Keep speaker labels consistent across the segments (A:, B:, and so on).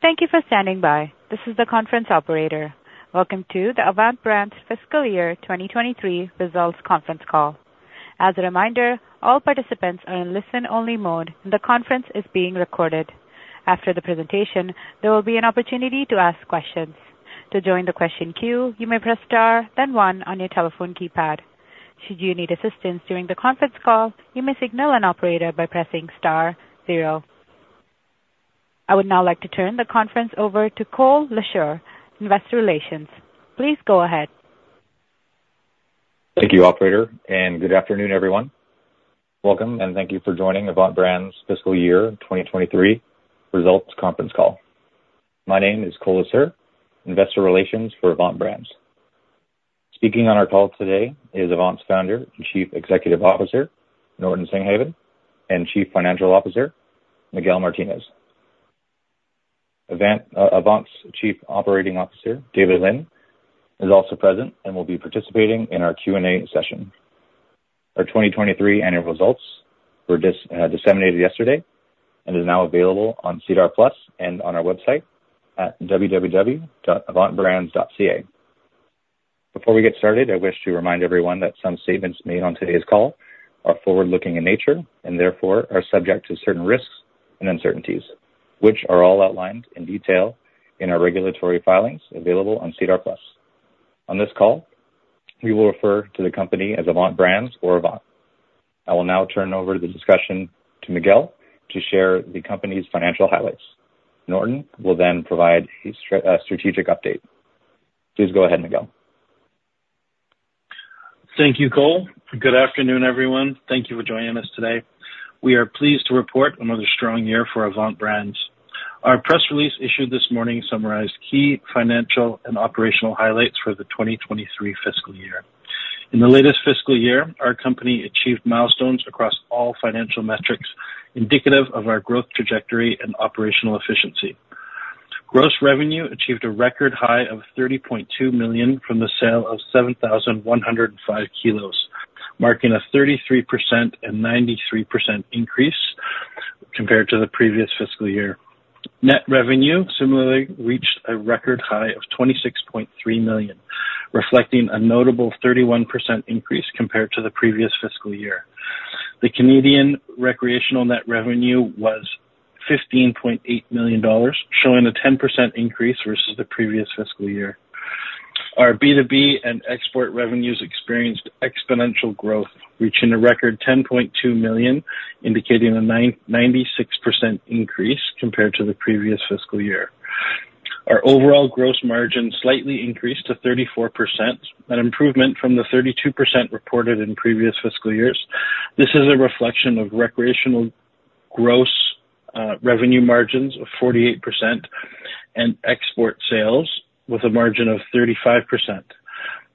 A: Thank you for standing by. This is the conference operator. Welcome to the Avant Brands Fiscal Year 2023 Results Conference Call. As a reminder, all participants are in listen-only mode and the conference is being recorded. After the presentation, there will be an opportunity to ask questions. To join the question queue, you may press star then one on your telephone keypad. Should you need assistance during the conference call, you may signal an operator by pressing star. I would now like to turn the conference over to Cole Lacour, Investor Relations. Please go ahead.
B: Thank you, operator, and good afternoon, everyone. Welcome, and thank you for joining Avant Brands fiscal year 2023 results conference call. My name is Cole Lacour, Investor Relations for Avant Brands. Speaking on our call today is Avant's Founder and Chief Executive Officer, Norton Singhavon, and Chief Financial Officer, Miguel Martinez. Avant's Chief Operating Officer, David Lynn, is also present and will be participating in our Q&A session. Our 2023 annual results were disseMENAted yesterday and are now available on SEDAR+ and on our website at www.avantbrands.ca. Before we get started, I wish to remind everyone that some statements made on today's call are forward-looking in nature and therefore are subject to certain risks and uncertainties, which are all outlined in detail in our regulatory filings available on SEDAR+. On this call, we will refer to the company as Avant Brands or Avant. I will now turn over the discussion to Miguel to share the company's financial highlights. Norton will then provide a strategic update. Please go ahead, Miguel.
C: Thank you, Cole. Good afternoon, everyone. Thank you for joining us today. We are pleased to report another strong year for Avant Brands. Our press release issued this morning summarized key financial and operational highlights for the 2023 fiscal year. In the latest fiscal year, our company achieved milestones across all financial metrics indicative of our growth trajectory and operational efficiency. Gross revenue achieved a record high of 30.2 million from the sale of 7,105 kilos, marking a 33% and 93% increase compared to the previous fiscal year. Net revenue, similarly, reached a record high of 26.3 million, reflecting a notable 31% increase compared to the previous fiscal year. The Canadian recreational net revenue was 15.8 million dollars, showing a 10% increase versus the previous fiscal year. Our B2B and export revenues experienced exponential growth, reaching a record 10.2 million, indicating a 96% increase compared to the previous fiscal year. Our overall gross margin slightly increased to 34%, an improvement from the 32% reported in previous fiscal years. This is a reflection of recreational gross revenue margins of 48% and export sales with a margin of 35%.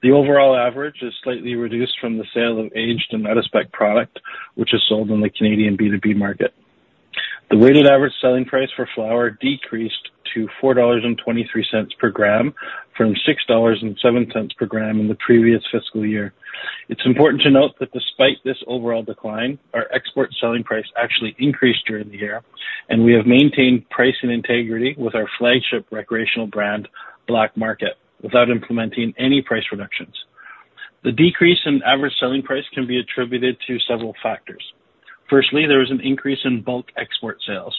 C: The overall average is slightly reduced from the sale of aged and out-of-spec product, which is sold in the Canadian B2B market. The weighted average selling price for Flowr decreased to 4.23 dollars per gram from 6.07 dollars per gram in the previous fiscal year. It's important to note that despite this overall decline, our export selling price actually increased during the year, and we have maintained price and integrity with our flagship recreational brand, BLK MKT, without implementing any price reductions. The decrease in average selling price can be attributed to several factors. Firstly, there was an increase in bulk export sales,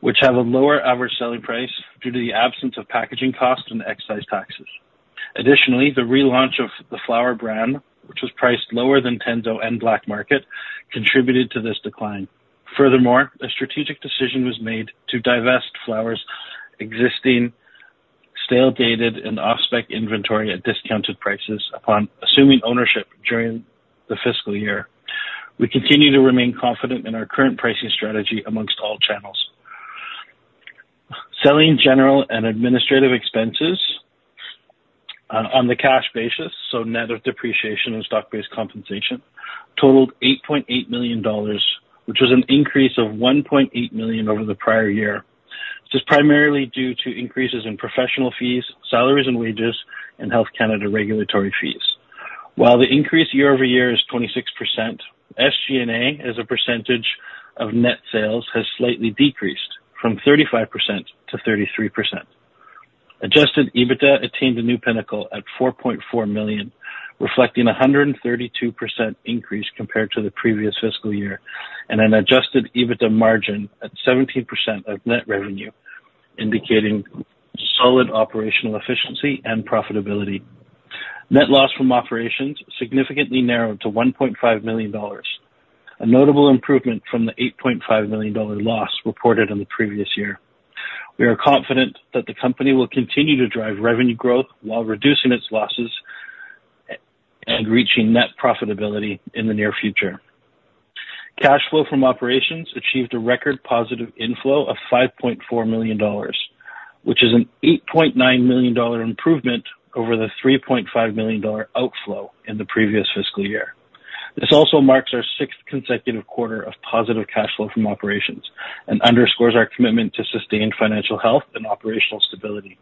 C: which have a lower average selling price due to the absence of packaging costs and excise taxes. Additionally, the relaunch of the Flowr brand, which was priced lower than Tenzo and BLK MKT, contributed to this decline. Furthermore, a strategic decision was made to divest Flowr's existing stale-dated and off-spec inventory at discounted prices upon assuming ownership during the fiscal year. We continue to remain confident in our current pricing strategy among all channels. Selling general and administrative expenses on the cash basis, so net of depreciation and stock-based compensation, totaled 8.8 million dollars, which was an increase of 1.8 million over the prior year. This is primarily due to increases in professional fees, salaries and wages, and Health Canada regulatory fees. While the increase year-over-year is 26%, SG&A, as a percentage of net sales, has slightly decreased from 35% to 33%. Adjusted EBITDA attained a new pinnacle at 4.4 million, reflecting a 132% increase compared to the previous fiscal year and an adjusted EBITDA margin at 17% of net revenue, indicating solid operational efficiency and profitability. Net loss from operations significantly narrowed to 1.5 million dollars, a notable improvement from the 8.5 million dollar loss reported in the previous year. We are confident that the company will continue to drive revenue growth while reducing its losses and reaching net profitability in the near future. Cash flow from operations achieved a record positive inflow of CAD 5.4 million, which is an CAD 8.9 million improvement over the CAD 3.5 million outflow in the previous fiscal year. This also marks our sixth consecutive quarter of positive cash flow from operations and underscores our commitment to sustained financial health and operational stability.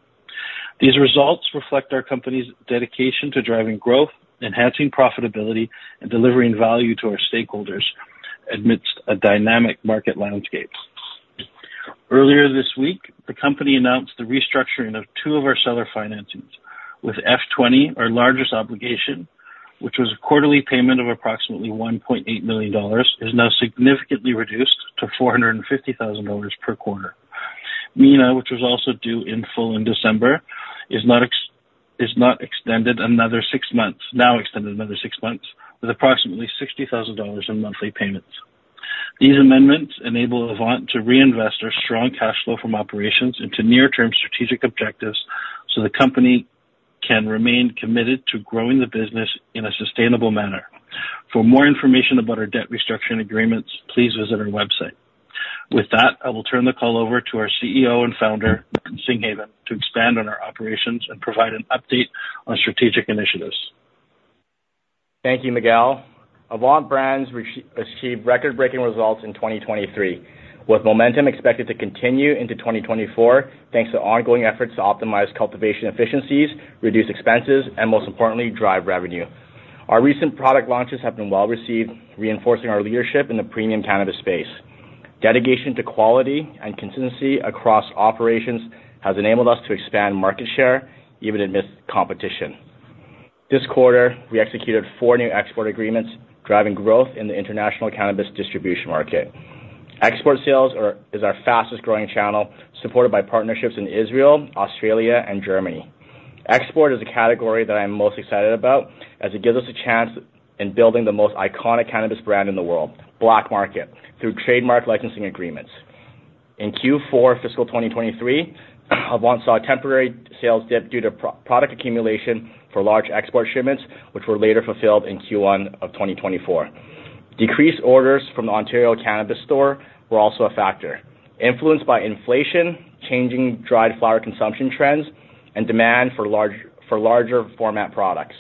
C: These results reflect our company's dedication to driving growth, enhancing profitability, and delivering value to our stakeholders amidst a dynamic market landscape. Earlier this week, the company announced the restructuring of two of our seller financings. With F20, our largest obligation, which was a quarterly payment of approximately 1.8 million dollars, is now significantly reduced to 450,000 dollars per quarter. MENA, which was also due in full in December, is now extended another six months with approximately 60,000 dollars in monthly payments. These amendments enable Avant to reinvest our strong cash flow from operations into near-term strategic objectives so the company can remain committed to growing the business in a sustainable manner. For more information about our debt restructuring agreements, please visit our website. With that, I will turn the call over to our CEO and founder, Norton Singhavon, to expand on our operations and provide an update on strategic initiatives.
D: Thank you, Miguel. Avant Brands achieved record-breaking results in 2023, with momentum expected to continue into 2024 thanks to ongoing efforts to optimize cultivation efficiencies, reduce expenses, and most importantly, drive revenue. Our recent product launches have been well-received, reinforcing our leadership in the premium cannabis space. Dedication to quality and consistency across operations has enabled us to expand market share even amidst competition. This quarter, we executed four new export agreements, driving growth in the international cannabis distribution market. Export sales is our fastest-growing channel, supported by partnerships in Israel, Australia, and Germany. Export is a category that I am most excited about as it gives us a chance in building the most iconic cannabis brand in the world, BLK MKT, through trademark licensing agreements. In Q4 fiscal 2023, Avant saw a temporary sales dip due to product accumulation for large export shipments, which were later fulfilled in Q1 of 2024. Decreased orders from the Ontario Cannabis Store were also a factor, influenced by inflation, changing dried flower consumption trends, and demand for larger-format products.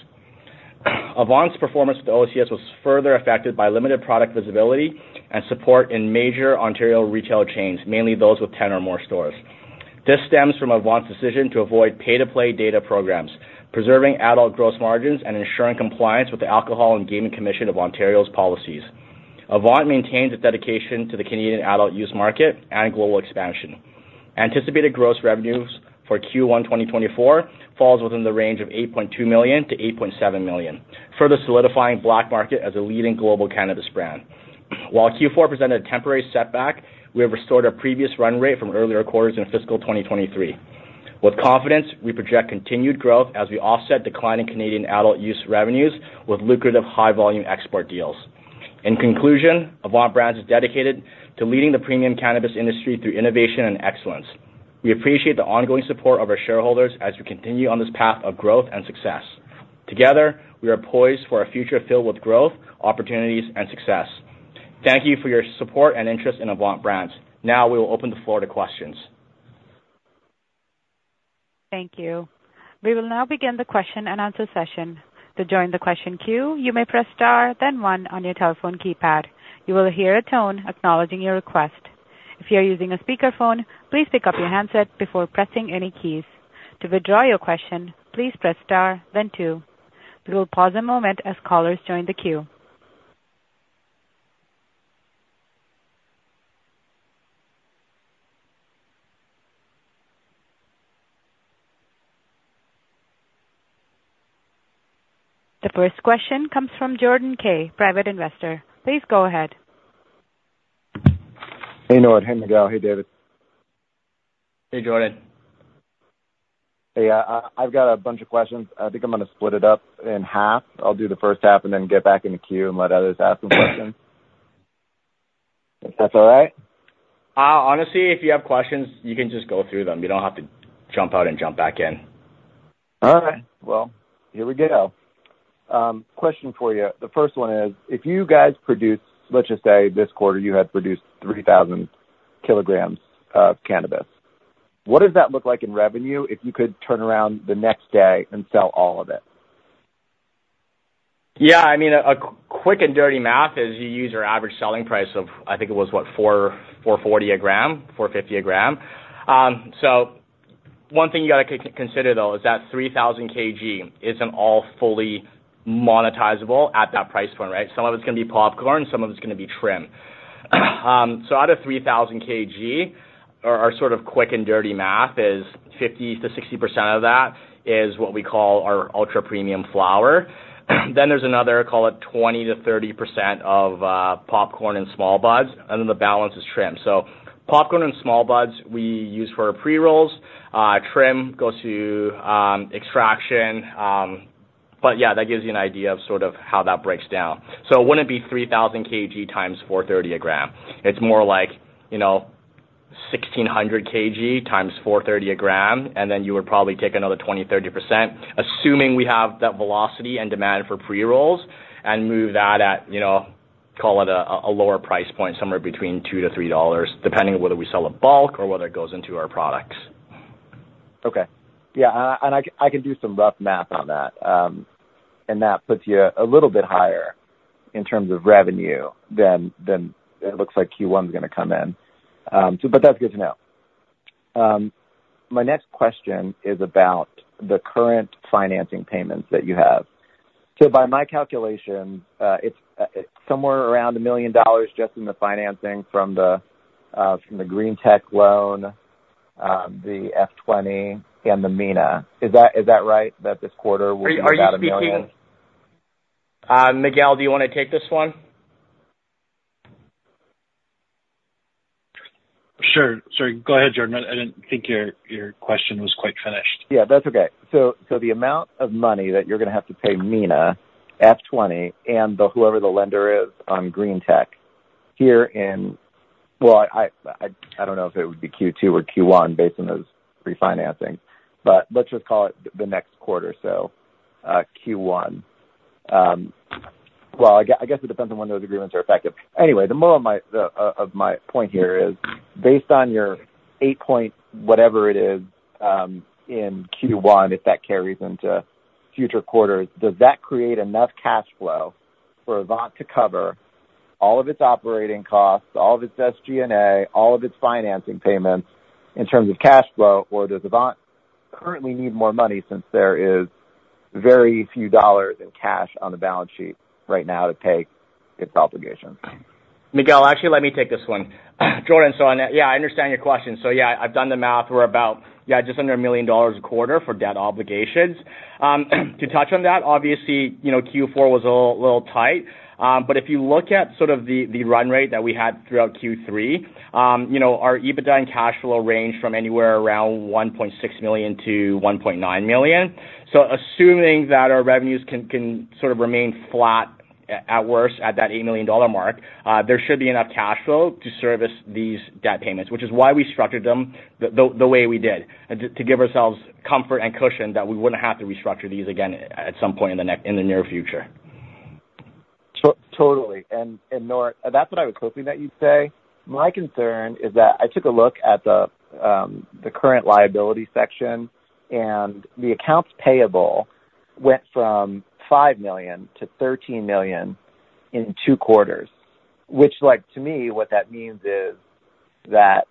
D: Avant's performance with OCS was further affected by limited product visibility and support in major Ontario retail chains, mainly those with 10 or more stores. This stems from Avant's decision to avoid pay-to-play data programs, preserving adult gross margins, and ensuring compliance with the Alcohol and Gaming Commission of Ontario's policies. Avant maintains its dedication to the Canadian adult use market and global expansion. Anticipated gross revenues for Q1 2024 fall within the range of 8.2 million-8.7 million, further solidifying BLK MKT as a leading global cannabis brand. While Q4 presented a temporary setback, we have restored our previous run rate from earlier quarters in fiscal 2023. With confidence, we project continued growth as we offset declining Canadian adult use revenues with lucrative, high-volume export deals. In conclusion, Avant Brands is dedicated to leading the premium cannabis industry through innovation and excellence. We appreciate the ongoing support of our shareholders as we continue on this path of growth and success. Together, we are poised for a future filled with growth, opportunities, and success. Thank you for your support and interest in Avant Brands. Now, we will open the floor to questions.
A: Thank you. We will now begin the question and answer session. To join the question queue, you may press star then one on your telephone keypad. You will hear a tone acknowledging your request. If you are using a speakerphone, please pick up your handset before pressing any keys. To withdraw your question, please press star then two. We will pause a moment as callers join the queue. The first question comes from Jordan Kay, private investor. Please go ahead.
E: Hey, Norton. Hey, Miguel. Hey, David.
D: Hey, Jordan.
E: Hey, I've got a bunch of questions. I think I'm going to split it up in half. I'll do the first half and then get back in the queue and let others ask some questions, if that's all right.
D: Honestly, if you have questions, you can just go through them. You don't have to jump out and jump back in.
E: All right. Well, here we go. Question for you. The first one is, if you guys produce let's just say this quarter you had produced 3,000 kilograms of cannabis. What does that look like in revenue if you could turn around the next day and sell all of it?
D: Yeah. I mean, a quick and dirty math is you use your average selling price of I think it was, what, CAD $4.40 a gram, CAD $4.50 a gram. So one thing you got to consider, though, is that 3,000 kg isn't all fully monetizable at that price point, right? Some of it's going to be popcorn. Some of it's going to be trim. So out of 3,000 kg, our sort of quick and dirty math is 50%-60% of that is what we call our ultra-premium flower. Then there's another, call it, 20%-30% of popcorn and small buds, and then the balance is trim. So popcorn and small buds, we use for pre-rolls. Trim goes to extraction. But yeah, that gives you an idea of sort of how that breaks down. So it wouldn't be 3,000 kg times CAD $4.30 a gram. It's more like 1,600 kg x 4.30 a gram, and then you would probably take another 20%-30%, assuming we have that velocity and demand for pre-rolls, and move that at, call it, a lower price point somewhere between 2-3 dollars, depending on whether we sell it bulk or whether it goes into our products.
E: Okay. Yeah. And I can do some rough math on that, and that puts you a little bit higher in terms of revenue than it looks like Q1 is going to come in. But that's good to know. My next question is about the current financing payments that you have. So by my calculations, it's somewhere around 1 million dollars just in the financing from the GreenTec loan, the F20, and the MENA. Is that right that this quarter will be about 1 million?
D: Are you speaking, Miguel? Do you want to take this one?
C: Sure. Sorry. Go ahead, Jordan. I didn't think your question was quite finished.
E: Yeah. That's okay. So the amount of money that you're going to have to pay MENA, F20, and whoever the lender is on GreenTec here in well, I don't know if it would be Q2 or Q1 based on those refinancings. But let's just call it the next quarter, so Q1. Well, I guess it depends on when those agreements are effective. Anyway, the more of my point here is, based on your 8-point whatever it is in Q1, if that carries into future quarters, does that create enough cash flow for Avant to cover all of its operating costs, all of its SG&A, all of its financing payments in terms of cash flow, or does Avant currently need more money since there is very few dollars in cash on the balance sheet right now to pay its obligations?
D: Miguel, actually, let me take this one. Jordan, so yeah, I understand your question. So yeah, I've done the math. We're about, yeah, just under 1 million dollars a quarter for debt obligations. To touch on that, obviously, Q4 was a little tight. But if you look at sort of the run rate that we had throughout Q3, our EBITDA and cash flow ranged from anywhere around 1.6 million-1.9 million. So assuming that our revenues can sort of remain flat at worst at that 8 million dollar mark, there should be enough cash flow to service these debt payments, which is why we structured them the way we did, to give ourselves comfort and cushion that we wouldn't have to restructure these again at some point in the near future.
E: Totally. And Norton, that's what I was hoping that you'd say. My concern is that I took a look at the current liability section, and the accounts payable went from 5 million to 13 million in two quarters, which, to me, what that means is that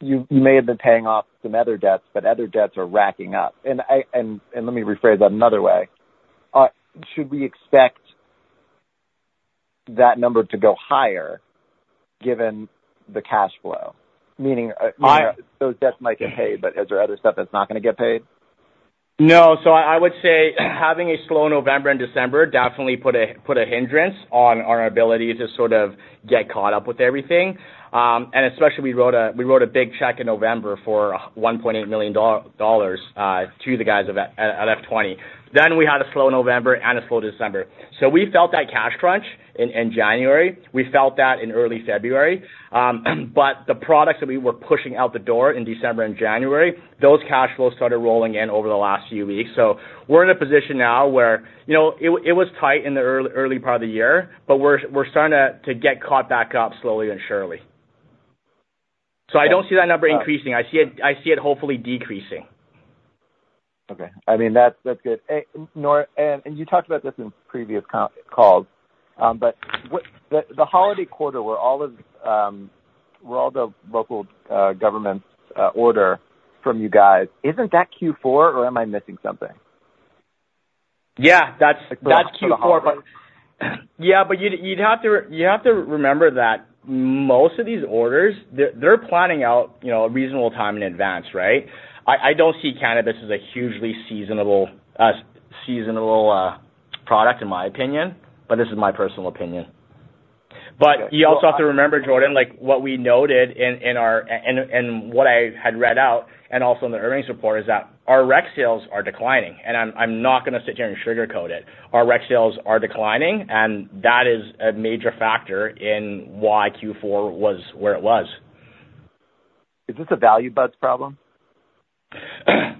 E: you may have been paying off some other debts, but other debts are recing up. And let me rephrase that another way. Should we expect that number to go higher given the cash flow, meaning those debts might get paid, but is there other stuff that's not going to get paid?
D: No. So I would say having a slow November and December definitely put a hindrance on our ability to sort of get caught up with everything. And especially, we wrote a big check in November for 1.8 million dollars to the guys at F20. Then we had a slow November and a slow December. So we felt that cash crunch in January. We felt that in early February. But the products that we were pushing out the door in December and January, those cash flows started rolling in over the last few weeks. So we're in a position now where it was tight in the early part of the year, but we're starting to get caught back up slowly and surely. So I don't see that number increasing. I see it hopefully decreasing.
E: Okay. I mean, that's good. Norton, and you talked about this in previous calls, but the holiday quarter where all the local governments order from you guys, isn't that Q4, or am I missing something?
C: Yeah. That's Q4. Yeah. But you'd have to remember that most of these orders, they're planning out a reasonable time in advance, right? I don't see cannabis as a hugely seasonal product, in my opinion. But this is my personal opinion.
D: But you also have to remember, Jordan, what we noted in our and what I had read out and also in the earnings report is that our rec sales are declining. And I'm not going to sit here and sugarcoat it. Our rec sales are declining, and that is a major factor in why Q4 was where it was. Is this a value buds problem?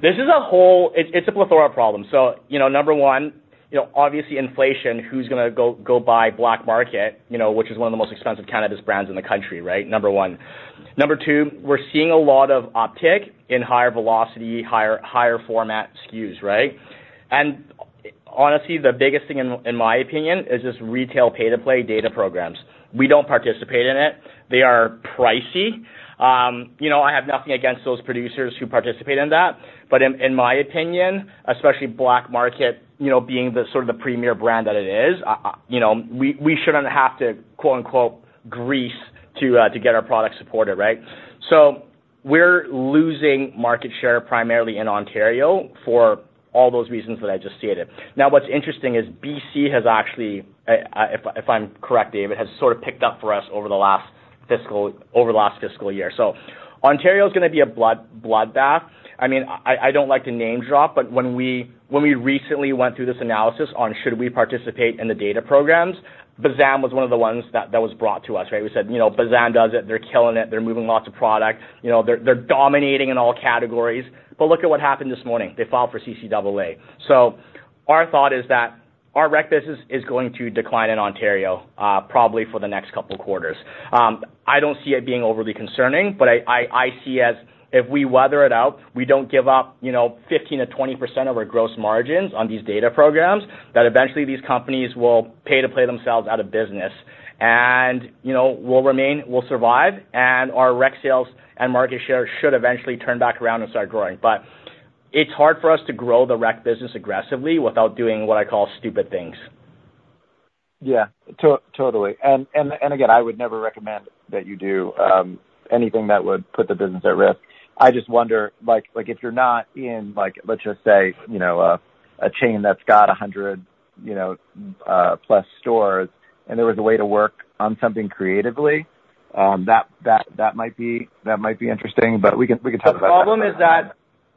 D: This is a whole it's a plethora problem. So number one, obviously, inflation. Who's going to go buy BLK MKT, which is one of the most expensive cannabis brands in the country, right? Number one. Number two, we're seeing a lot of optic in higher velocity, higher format SKUs, right? And honestly, the biggest thing, in my opinion, is just retail pay-to-play data programs. We don't participate in it. They are pricey. I have nothing against those producers who participate in that. But in my opinion, especially BLK MKT being sort of the premier brand that it is, we shouldn't have to "grease" to get our product supported, right? So we're losing market share primarily in Ontario for all those reasons that I just stated. Now, what's interesting is BC has actually if I'm correct, David, has sort of picked up for us over the last fiscal year. So Ontario is going to be a bloodbath. I mean, I don't like to name-drop, but when we recently went through this analysis on should we participate in the data programs, BZAM was one of the ones that was brought to us, right? We said, "BZAM does it. They're killing it. They're moving lots of product. They're dominating in all categories. But look at what happened this morning. They filed for CCAA." So our thought is that our rec business is going to decline in Ontario probably for the next couple of quarters. I don't see it being overly concerning, but I see as if we weather it out, we don't give up 15%-20% of our gross margins on these data programs, that eventually these companies will pay to play themselves out of business and will survive, and our rec sales and market share should eventually turn back around and start growing. But it's hard for us to grow the rec business aggressively without doing what I call stupid things.
C: Yeah. Totally. And again, I would never recommend that you do anything that would put the business at risk. I just wonder, if you're not in, let's just say, a chain that's got 100+ stores and there was a way to work on something creatively, that might be interesting. But we can talk about that.
D: The problem is that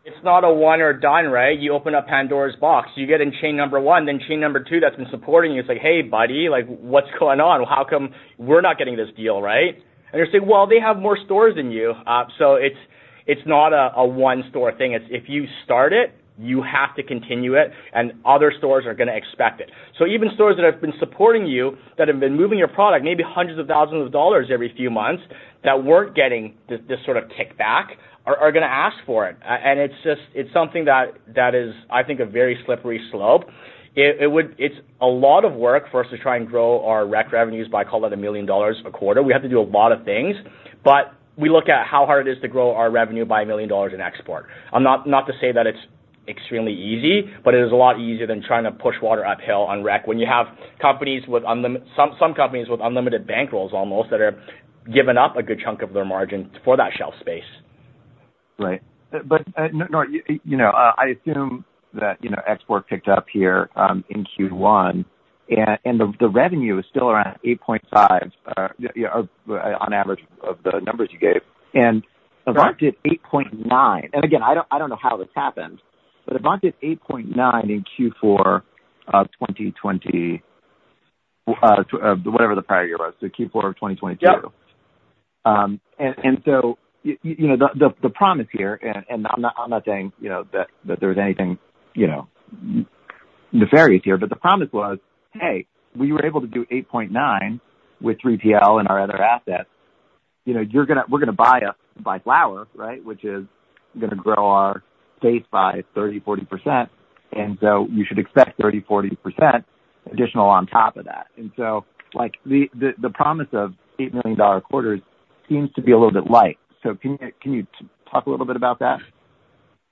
D: it's not a one-or-done, right? You open up Pandora's box. You get in chain number one, then chain number two that's been supporting you, it's like, "Hey, buddy, what's going on? How come we're not getting this deal, right?" And you're saying, "Well, they have more stores than you." So it's not a one-store thing. It's if you start it, you have to continue it, and other stores are going to expect it. So even stores that have been supporting you, that have been moving your product maybe CAD hundreds of thousands every few months, that weren't getting this sort of kickback are going to ask for it. And it's something that is, I think, a very slippery slope. It's a lot of work for us to try and grow our rec revenues by, call it, 1 million dollars a quarter. We have to do a lot of things. But we look at how hard it is to grow our revenue by 1 million dollars in export. I'm not to say that it's extremely easy, but it is a lot easier than trying to push water uphill on rec when you have companies with some companies with unlimited bankrolls almost that are giving up a good chunk of their margin for that shelf space.
E: Right. But Norton, I assume that export picked up here in Q1, and the revenue is still around 8.5 million on average of the numbers you gave. And Avant did 8.9 million. And again, I don't know how this happened, but Avant did 8.9 million in Q4 of 2020, whatever the prior year was, so Q4 of 2022. And so the promise here and I'm not saying that there was anything nefarious here, but the promise was, "Hey, we were able to do 8.9 million with 3PL and our other assets. We're going to buy Flowr, right, which is going to grow our space by 30%-40%. And so you should expect 30%-40% additional on top of that." And so the promise of 8 million dollar quarters seems to be a little bit light. So can you talk a little bit about that?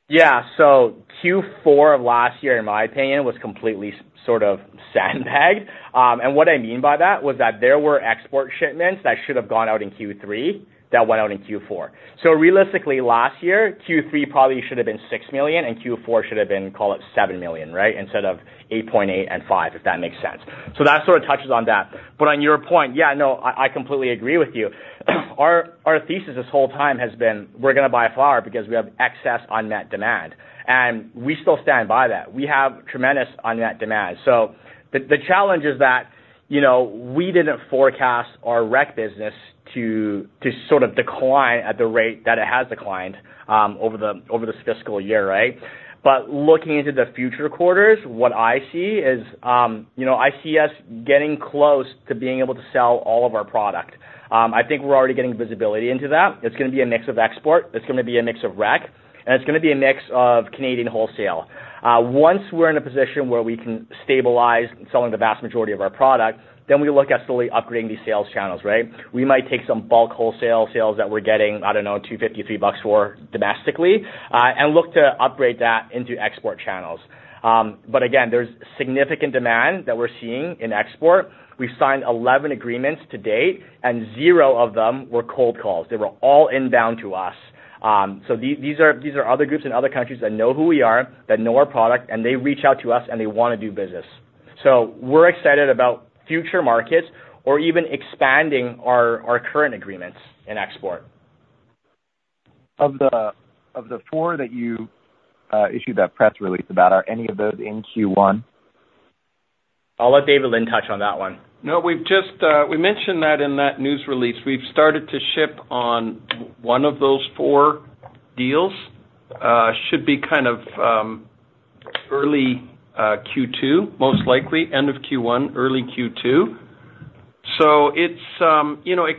D: Yeah. So Q4 of last year, in my opinion, was completely sort of sandbagged. And what I mean by that was that there were export shipments that should have gone out in Q3 that went out in Q4. So realistically, last year, Q3 probably should have been 6 million, and Q4 should have been, call it, 7 million, right, instead of 8.8 million and 5 million, if that makes sense. So that sort of touches on that. But on your point, yeah, no, I completely agree with you. Our thesis this whole time has been, "We're going to buy flower because we have excess unmet demand." And we still stand by that. We have tremendous unmet demand. So the challenge is that we didn't forecast our rec business to sort of decline at the rate that it has declined over this fiscal year, right? But looking into the future quarters, what I see is I see us getting close to being able to sell all of our product. I think we're already getting visibility into that. It's going to be a mix of export. It's going to be a mix of rec. And it's going to be a mix of Canadian wholesale. Once we're in a position where we can stabilize selling the vast majority of our product, then we look at slowly upgrading these sales channels, right? We might take some bulk wholesale sales that we're getting, I don't know, 2.50-3 bucks for domestically and look to upgrade that into export channels. But again, there's significant demand that we're seeing in export. We've signed 11 agreements to date, and zero of them were cold calls. They were all inbound to us. These are other groups in other countries that know who we are, that know our product, and they reach out to us, and they want to do business. We're excited about future markets or even expanding our current agreements in export.
E: Of the four that you issued that press release about, are any of those in Q1?
D: I'll let David Lynn touch on that one.
F: No, we mentioned that in that news release. We've started to ship on one of those four deals. Should be kind of early Q2, most likely, end of Q1, early Q2. So it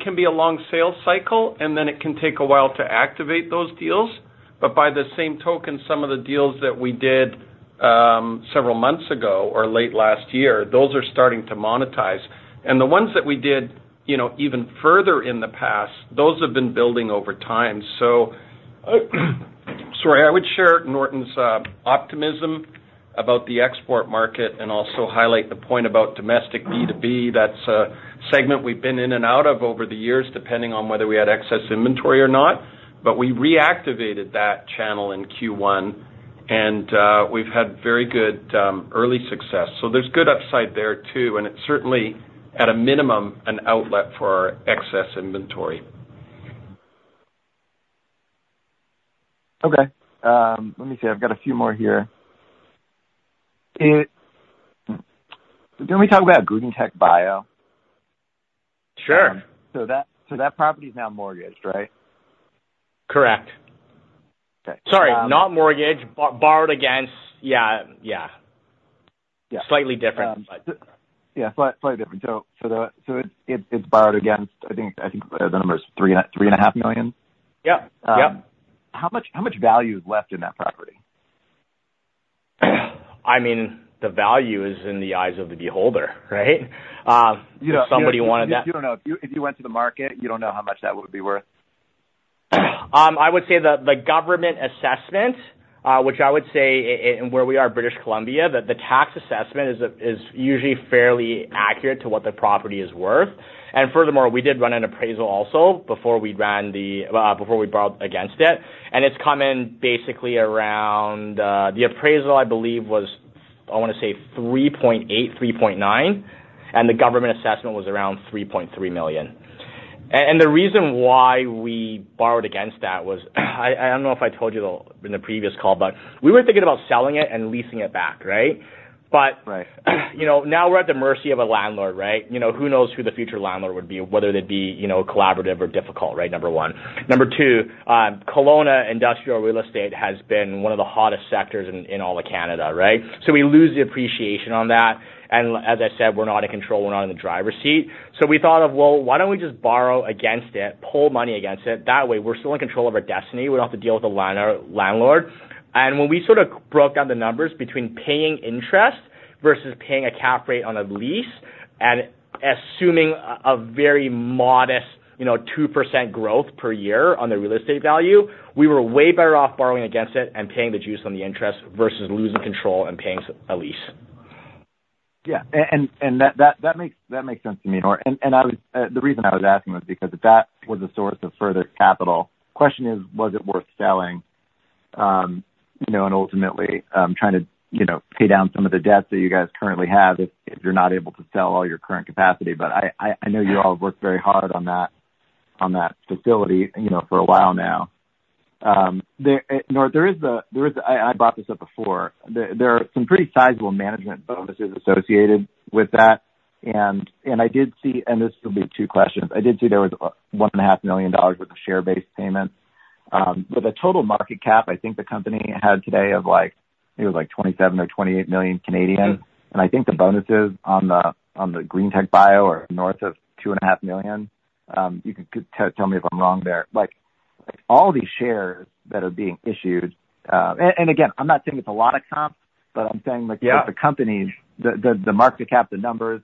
F: can be a long sales cycle, and then it can take a while to activate those deals. But by the same token, some of the deals that we did several months ago or late last year, those are starting to monetize. And the ones that we did even further in the past, those have been building over time. So sorry, I would share Norton's optimism about the export market and also highlight the point about domestic B2B. That's a segment we've been in and out of over the years, depending on whether we had excess inventory or not. But we reactivated that channel in Q1, and we've had very good early success. There's good upside there too. It's certainly, at a minimum, an outlet for our excess inventory.
E: Okay. Let me see. I've got a few more here. Can we talk about GreenTec Bio?
D: Sure.
E: So that property is now mortgaged, right?
D: Correct. Sorry, not mortgaged, borrowed against yeah, yeah. Slightly different, but.
E: Yeah, slightly different. So it's borrowed against I think the number is 3.5 million?
D: Yep. Yep.
E: How much value is left in that property?
D: I mean, the value is in the eyes of the beholder, right? If somebody wanted that.
E: If you don't know if you went to the market, you don't know how much that would be worth?
D: I would say the government assessment, which I would say in where we are, British Columbia, that the tax assessment is usually fairly accurate to what the property is worth. And furthermore, we did run an appraisal also before we borrowed against it. And it's come in basically around the appraisal. I believe it was, I want to say, 3.8-3.9 million, and the government assessment was around 3.3 million. And the reason why we borrowed against that was I don't know if I told you in the previous call, but we were thinking about selling it and leasing it back, right? But now we're at the mercy of a landlord, right? Who knows who the future landlord would be, whether they'd be collaborative or difficult, right, number one? Number two, Kelowna industrial real estate has been one of the hottest sectors in all of Canada, right? So we lose the appreciation on that. And as I said, we're not in control. We're not in the driver's seat. So we thought of, "Well, why don't we just borrow against it, pull money against it? That way, we're still in control of our destiny. We don't have to deal with a landlord." And when we sort of broke down the numbers between paying interest versus paying a cap rate on a lease and assuming a very modest 2% growth per year on the real estate value, we were way better off borrowing against it and paying the juice on the interest versus losing control and paying a lease.
E: Yeah. That makes sense to me, Norton. The reason I was asking was because if that was a source of further capital, the question is, was it worth selling and ultimately trying to pay down some of the debt that you guys currently have if you're not able to sell all your current capacity? But I know you all have worked very hard on that facility for a while now. Norton, there is the I brought this up before. There are some pretty sizable management bonuses associated with that. I did see and this will be two questions. I did see there was 1.5 million dollars worth of share-based payments. But the total market cap, I think, the company had today of it was like 27 million or 28 million. I think the bonuses on the GreenTec Bio are north of 2.5 million. You can tell me if I'm wrong there. All these shares that are being issued and again, I'm not saying it's a lot of comps, but I'm saying the companies, the market cap, the numbers,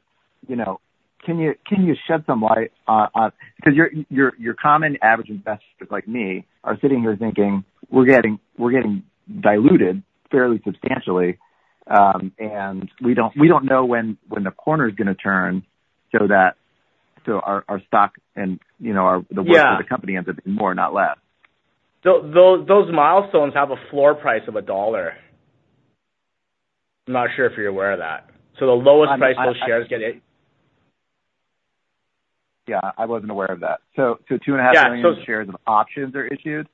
E: can you shed some light on because your common average investors like me are sitting here thinking, "We're getting diluted fairly substantially, and we don't know when the corner is going to turn so that our stock and the worth of the company ends up being more, not less.
D: Those milestones have a floor price of $1. I'm not sure if you're aware of that. So the lowest price those shares get.
E: Yeah, I wasn't aware of that. So 2.5 million shares of options are issued?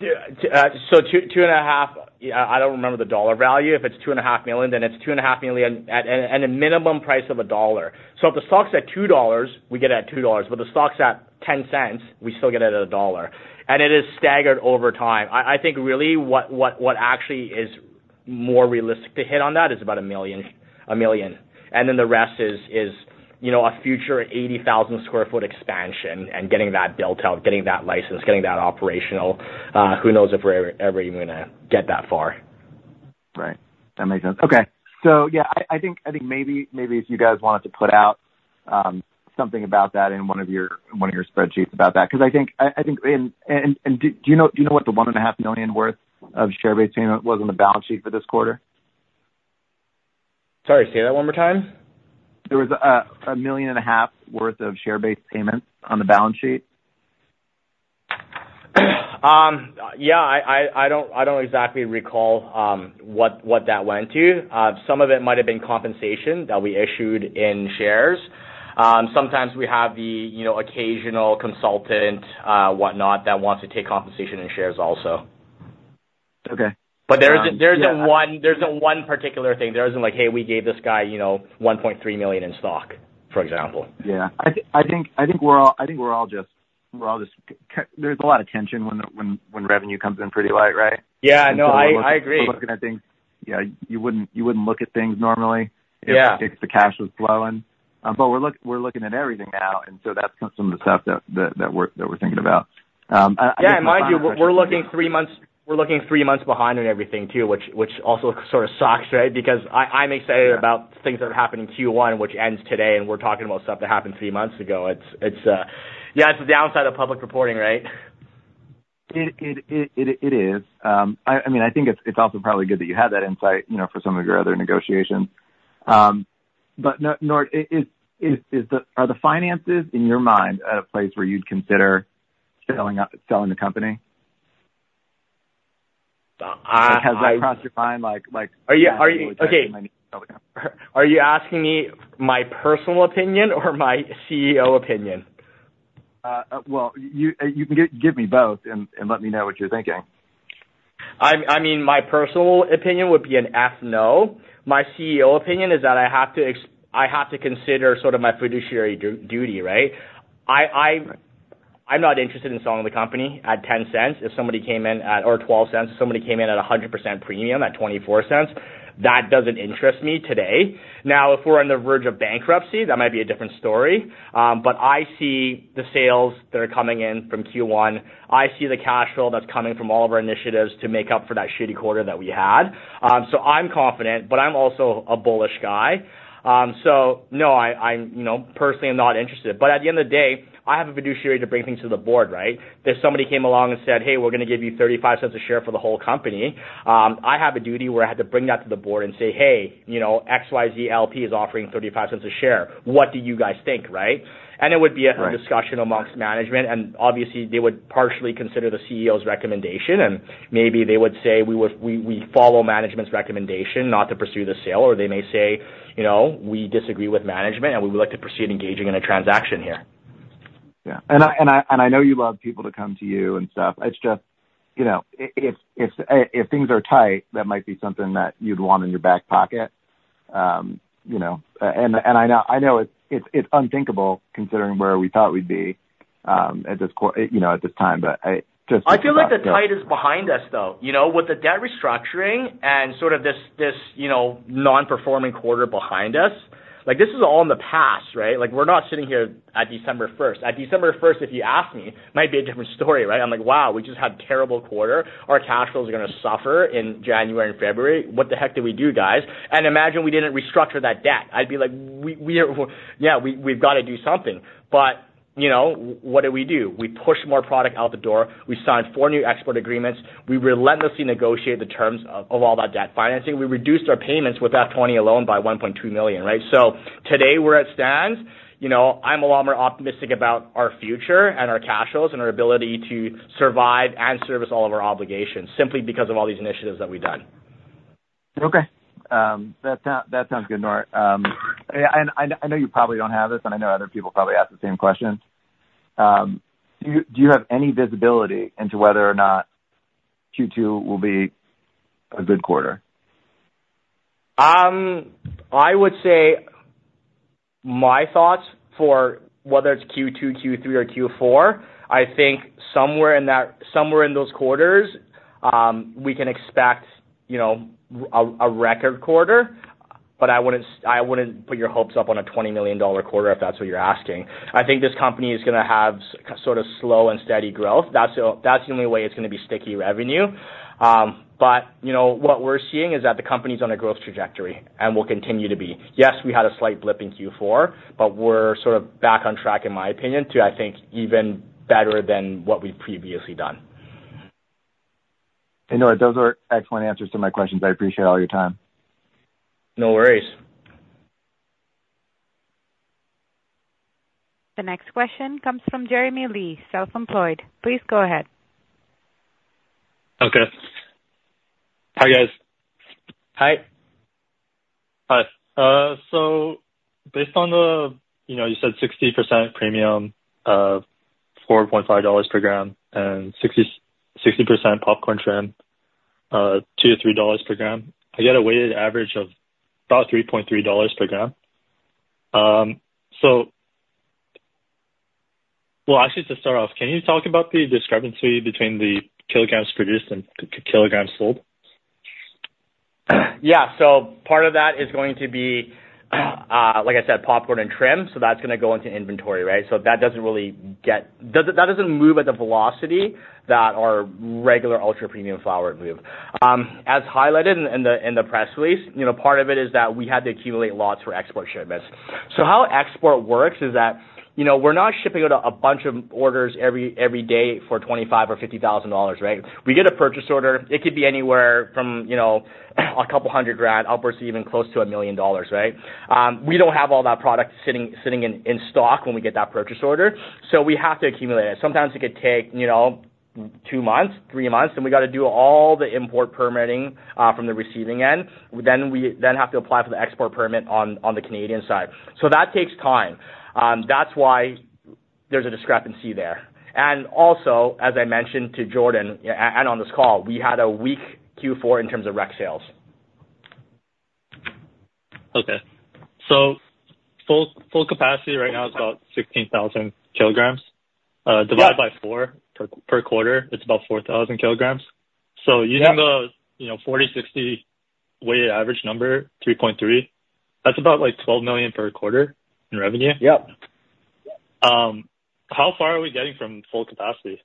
D: 2.5 I don't remember the dollar value. If it's 2.5 million, then it's 2.5 million at a minimum price of CAD 1. So if the stock's at 2 dollars, we get it at 2 dollars. But if the stock's at 0.10, we still get it at CAD 1. And it is staggered over time. I think really what actually is more realistic to hit on that is about 1 million. And then the rest is a future 80,000 sq ft expansion and getting that built out, getting that licensed, getting that operational. Who knows if we're ever even going to get that far?
E: Right. That makes sense. Okay. So yeah, I think maybe if you guys wanted to put out something about that in one of your spreadsheets about that because I think and do you know what the 1.5 million worth of share-based payment was on the balance sheet for this quarter?
D: Sorry, say that one more time.
E: There was 1.5 million worth of share-based payments on the balance sheet?
D: Yeah, I don't exactly recall what that went to. Some of it might have been compensation that we issued in shares. Sometimes we have the occasional consultant, whatnot, that wants to take compensation in shares also. But there isn't one particular thing. There isn't like, "Hey, we gave this guy 1.3 million in stock," for example.
E: Yeah. I think we're all just there's a lot of tension when revenue comes in pretty light, right?
D: Yeah, no, I agree.
E: So people are looking at things, yeah. You wouldn't look at things normally if the cash was flowing. But we're looking at everything now, and so that's some of the stuff that we're thinking about.
D: Yeah, and mind you, we're looking three months behind on everything too, which also sort of sucks, right? Because I'm excited about things that are happening Q1, which ends today, and we're talking about stuff that happened three months ago. Yeah, it's the downside of public reporting, right?
E: It is. I mean, I think it's also probably good that you had that insight for some of your other negotiations. But Norton, are the finances, in your mind, at a place where you'd consider selling the company? Has that crossed your mind?
D: Are you okay? Okay. Are you asking me my personal opinion or my CEO opinion?
E: Well, you can give me both and let me know what you're thinking.
D: I mean, my personal opinion would be a firm no. My CEO opinion is that I have to consider sort of my fiduciary duty, right? I'm not interested in selling the company at 0.10. If somebody came in at or 0.12. If somebody came in at 100% premium at 0.24, that doesn't interest me today. Now, if we're on the verge of bankruptcy, that might be a different story. But I see the sales that are coming in from Q1. I see the cash flow that's coming from all of our initiatives to make up for that shitty quarter that we had. So I'm confident, but I'm also a bullish guy. So no, I personally am not interested. But at the end of the day, I have a fiduciary to bring things to the board, right? If somebody came along and said, "Hey, we're going to give you 0.35 per share for the whole company," I have a duty where I had to bring that to the board and say, "Hey, XYZ LP is offering 0.35 per share. What do you guys think?" Right? And it would be a discussion among management. And obviously, they would partially consider the CEO's recommendation. And maybe they would say, "We follow management's recommendation, not to pursue the sale." Or they may say, "We disagree with management, and we would like to proceed engaging in a transaction here.
E: Yeah. I know you love people to come to you and stuff. It's just if things are tight, that might be something that you'd want in your back pocket. I know it's unthinkable considering where we thought we'd be at this time, but just.
D: I feel like the tight is behind us, though. With the debt restructuring and sort of this non-performing quarter behind us, this is all in the past, right? We're not sitting here at December 1st. At December 1st, if you ask me, it might be a different story, right? I'm like, "Wow, we just had a terrible quarter. Our cash flows are going to suffer in January and February. What the heck do we do, guys?" And imagine we didn't restructure that debt. I'd be like, "Yeah, we've got to do something." But what did we do? We pushed more product out the door. We signed four new export agreements. We relentlessly negotiated the terms of all that debt financing. We reduced our payments with F20 alone by 1.2 million, right? So today, we're at stands. I'm a lot more optimistic about our future and our cash flows and our ability to survive and service all of our obligations simply because of all these initiatives that we've done.
E: Okay. That sounds good, Norton. And I know you probably don't have this, and I know other people probably ask the same question. Do you have any visibility into whether or not Q2 will be a good quarter?
D: I would say my thoughts for whether it's Q2, Q3, or Q4, I think somewhere in those quarters, we can expect a record quarter. I wouldn't put your hopes up on a 20 million dollar quarter if that's what you're asking. I think this company is going to have sort of slow and steady growth. That's the only way it's going to be sticky revenue. But what we're seeing is that the company's on a growth trajectory and will continue to be. Yes, we had a slight blip in Q4, but we're sort of back on trec, in my opinion, to, I think, even better than what we've previously done.
E: Hey, Norton, those are excellent answers to my questions. I appreciate all your time.
D: No worries.
A: The next question comes from Jeremy Le, self-employed. Please go ahead.
G: Okay. Hi, guys.
D: Hi.
G: Hi. So based on what you said 60% premium of 4.5 dollars per gram and 60% popcorn trim, 2-3 dollars per gram, I get a weighted average of about 3.3 dollars per gram. So well, actually, to start off, can you talk about the discrepancy between the kilograms produced and kilograms sold?
D: Yeah. So part of that is going to be, like I said, popcorn and trim. So that's going to go into inventory, right? So that doesn't really move at the velocity that our regular ultra-premium flower moves. As highlighted in the press release, part of it is that we had to accumulate lots for export shipments. So how export works is that we're not shipping out a bunch of orders every day for 25,000 or 50,000 dollars, right? We get a purchase order. It could be anywhere from a couple hundred grand upwards to even close to 1 million dollars, right? We don't have all that product sitting in stock when we get that purchase order. So we have to accumulate it. Sometimes it could take two months, three months, and we got to do all the import permitting from the receiving end. Then we have to apply for the export permit on the Canadian side. So that takes time. That's why there's a discrepancy there. And also, as I mentioned to Jordan and on this call, we had a weak Q4 in terms of rec sales.
G: Okay. So full capacity right now is about 16,000 kilograms. Divided by four per quarter, it's about 4,000 kilograms. So using the 40, 60 weighted average number, 3.3, that's about like 12 million per quarter in revenue. How far are we getting from full capacity?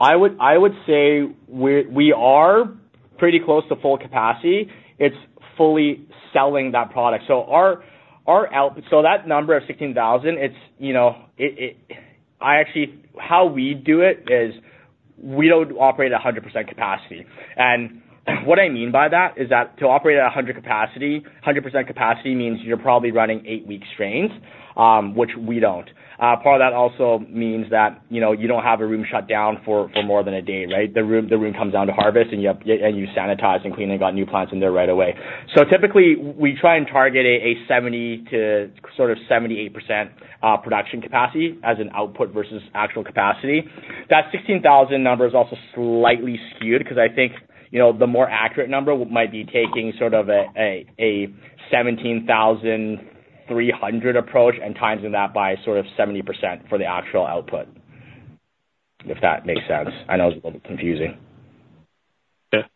D: I would say we are pretty close to full capacity. It's fully selling that product. So our output, so that number of 16,000, it's. I actually how we do it is we don't operate at 100% capacity. And what I mean by that is that to operate at 100% capacity means you're probably running eight-week strains, which we don't. Part of that also means that you don't have a room shut down for more than a day, right? The room comes down to harvest, and you sanitize and clean and got new plants, and they're right away. So typically, we try and target a sort of 78% production capacity as an output versus actual capacity. That 16,000 number is also slightly skewed because I think the more accurate number might be taking sort of a 17,300 approach and timesing that by sort of 70% for the actual output, if that makes sense. I know it's a little confusing.
G: Okay.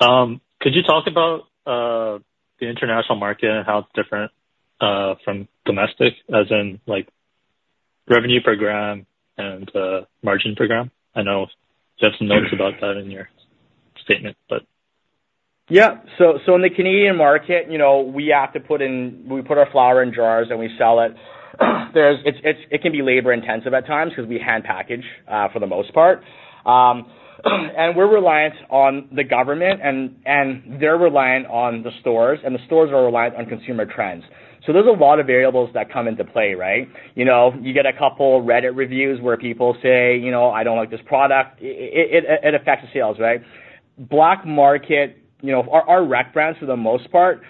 G: Could you talk about the international market and how it's different from domestic, as in revenue per gram and margin per gram? I know you have some notes about that in your statement, but.
D: Yeah. So in the Canadian market, we have to put in, we put our flower in jars, and we sell it. It can be labor-intensive at times because we hand-package for the most part. And we're reliant on the government, and they're reliant on the stores, and the stores are reliant on consumer trends. So there's a lot of variables that come into play, right? You get a couple Reddit reviews where people say, "I don't like this product." It affects sales, right? BLK MKT, our rec brands, for the most part,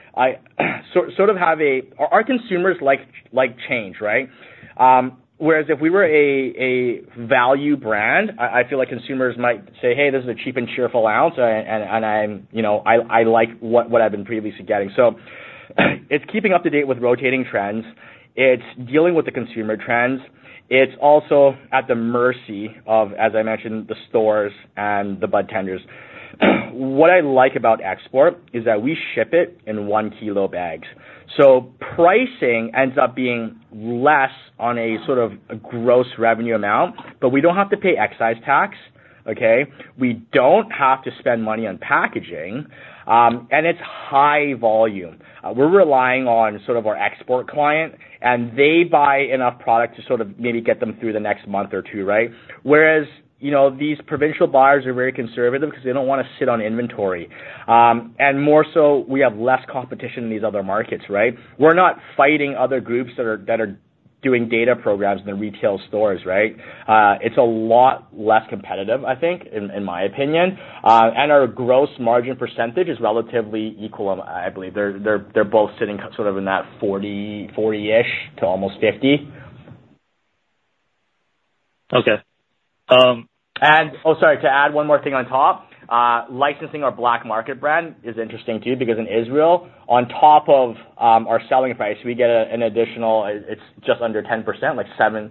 D: sort of have a our consumers like change, right? Whereas if we were a value brand, I feel like consumers might say, "Hey, this is a cheap and cheerful ounce, and I like what I've been previously getting." So it's keeping up to date with rotating trends. It's dealing with the consumer trends. It's also at the mercy of, as I mentioned, the stores and the budtenders. What I like about export is that we ship it in one-kilo bags. So pricing ends up being less on a sort of gross revenue amount, but we don't have to pay excise tax, okay? We don't have to spend money on packaging, and it's high volume. We're relying on sort of our export client, and they buy enough product to sort of maybe get them through the next month or two, right? Whereas these provincial buyers are very conservative because they don't want to sit on inventory. And more so, we have less competition in these other markets, right? We're not fighting other groups that are doing data programs in the retail stores, right? It's a lot less competitive, I think, in my opinion. And our gross margin percentage is relatively equal, I believe. They're both sitting sort of in that 40-ish to almost 50.
G: Okay.
D: And oh, sorry, to add one more thing on top, licensing our BLK MKT brand is interesting too because in Israel, on top of our selling price, we get an additional it's just under 10%, like 7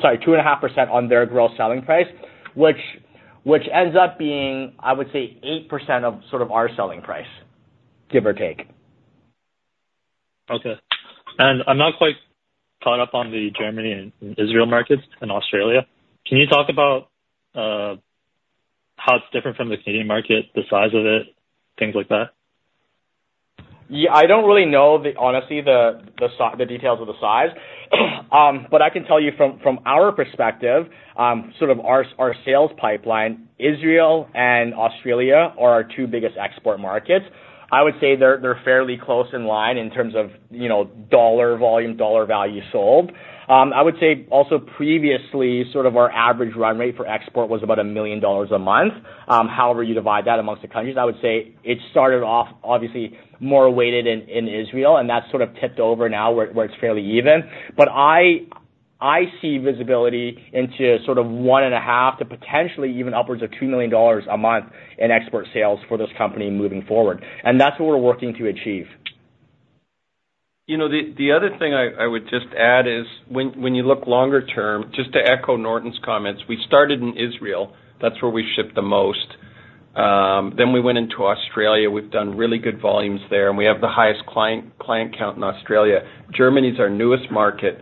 D: sorry, 2.5% on their gross selling price, which ends up being, I would say, 8% of sort of our selling price, give or take.
G: Okay. I'm not quite caught up on the Germany and Israel markets and Australia. Can you talk about how it's different from the Canadian market, the size of it, things like that?
D: Yeah, I don't really know, honestly, the details of the size. But I can tell you from our perspective, sort of our sales pipeline, Israel and Australia are our two biggest export markets. I would say they're fairly close in line in terms of dollar volume, dollar value sold. I would say also, previously, sort of our average run rate for export was about 1 million dollars a month. However you divide that amongst the countries, I would say it started off, obviously, more weighted in Israel, and that's sort of tipped over now where it's fairly even. But I see visibility into sort of 1.5 million to potentially even upwards of 2 million dollars a month in export sales for this company moving forward. And that's what we're working to achieve.
F: The other thing I would just add is when you look longer term, just to echo Norton's comments, we started in Israel. That's where we shipped the most. Then we went into Australia. We've done really good volumes there, and we have the highest client count in Australia. Germany's our newest market.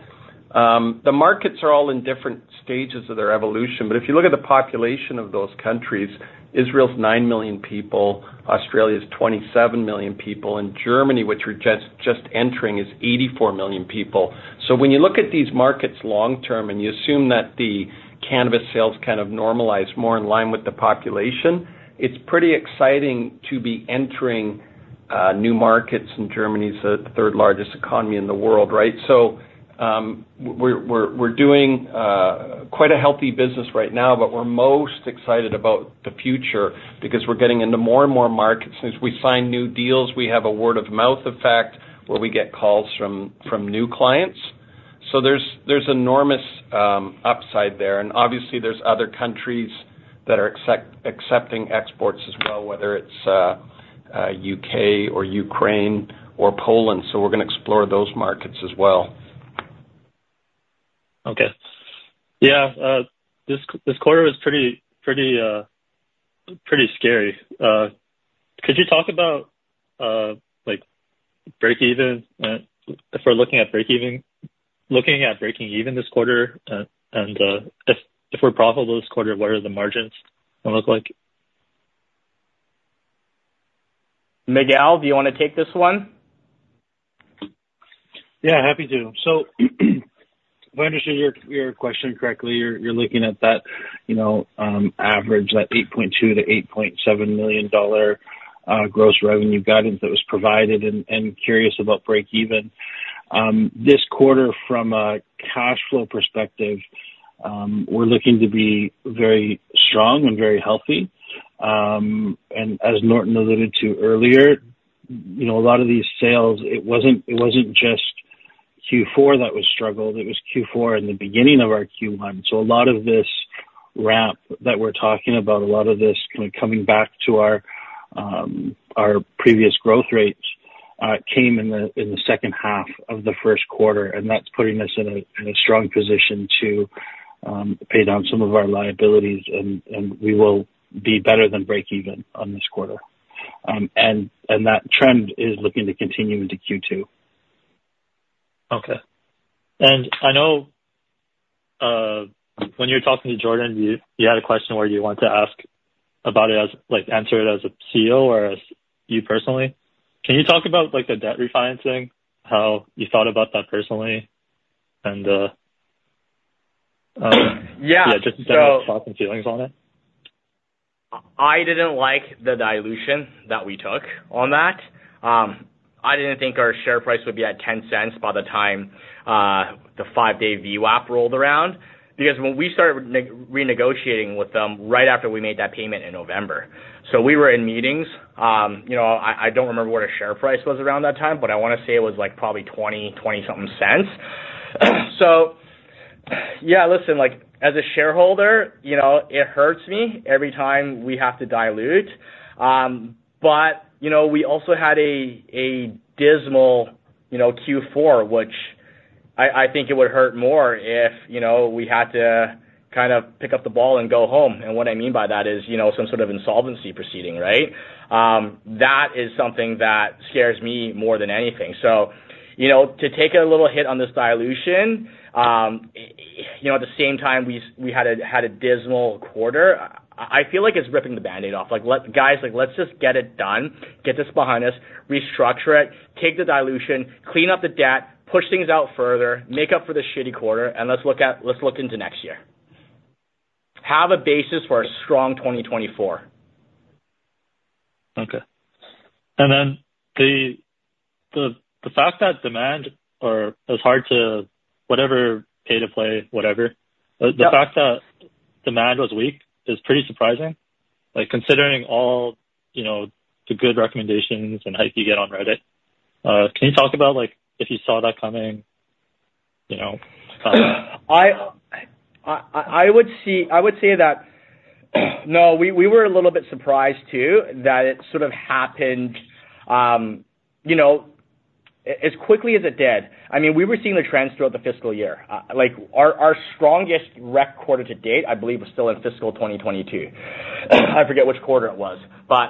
F: The markets are all in different stages of their evolution. But if you look at the population of those countries, Israel's 9 million people, Australia's 27 million people, and Germany, which we're just entering, is 84 million people. So when you look at these markets long-term and you assume that the cannabis sales kind of normalize more in line with the population, it's pretty exciting to be entering new markets in Germany, the third-largest economy in the world, right? So we're doing quite a healthy business right now, but we're most excited about the future because we're getting into more and more markets. As we sign new deals, we have a word-of-mouth effect where we get calls from new clients. So there's enormous upside there. And obviously, there's other countries that are accepting exports as well, whether it's UK or Ukraine or Poland. So we're going to explore those markets as well.
G: Okay. Yeah. This quarter was pretty scary. Could you talk about break-even? If we're looking at break-even looking at breaking even this quarter and if we're profitable this quarter, what are the margins going to look like?
D: Miguel? Do you want to take this one?
C: Yeah, happy to. So if I understood your question correctly, you're looking at that average, that 8.2 million-8.7 million dollar gross revenue guidance that was provided, and curious about break-even. This quarter, from a cash flow perspective, we're looking to be very strong and very healthy. And as Norton alluded to earlier, a lot of these sales, it wasn't just Q4 that was struggled. It was Q4 and the beginning of our Q1. So a lot of this ramp that we're talking about, a lot of this kind of coming back to our previous growth rates came in the second half of the first quarter. And that's putting us in a strong position to pay down some of our liabilities, and we will be better than break-even on this quarter. And that trend is looking to continue into Q2.
G: Okay. And I know when you were talking to Jordan, you had a question where you wanted to ask about it as answer it as a CEO or as you personally. Can you talk about the debt refinancing, how you thought about that personally, and yeah, just in terms of thoughts and feelings on it?
D: I didn't like the dilution that we took on that. I didn't think our share price would be at 0.10 by the time the five-day VWAP rolled around because when we started renegotiating with them right after we made that payment in November. So we were in meetings. I don't remember what our share price was around that time, but I want to say it was probably 20-something cents. So yeah, listen, as a shareholder, it hurts me every time we have to dilute. But we also had a dismal Q4, which I think it would hurt more if we had to kind of pick up the ball and go home. And what I mean by that is some sort of insolvency proceeding, right? That is something that scares me more than anything. So to take a little hit on this dilution, at the same time, we had a dismal quarter, I feel like it's ripping the Band-Aid off. Guys, let's just get it done, get this behind us, restructure it, take the dilution, clean up the debt, push things out further, make up for the shitty quarter, and let's look into next year. Have a basis for a strong 2024.
G: Okay. Then the fact that demand or it's hard to whatever pay to play, whatever, the fact that demand was weak is pretty surprising, considering all the good recommendations and hype you get on Reddit. Can you talk about if you saw that coming?
D: I would say that no, we were a little bit surprised too that it sort of happened as quickly as it did. I mean, we were seeing the trends throughout the fiscal year. Our strongest rec quarter to date, I believe, was still in fiscal 2022. I forget which quarter it was. But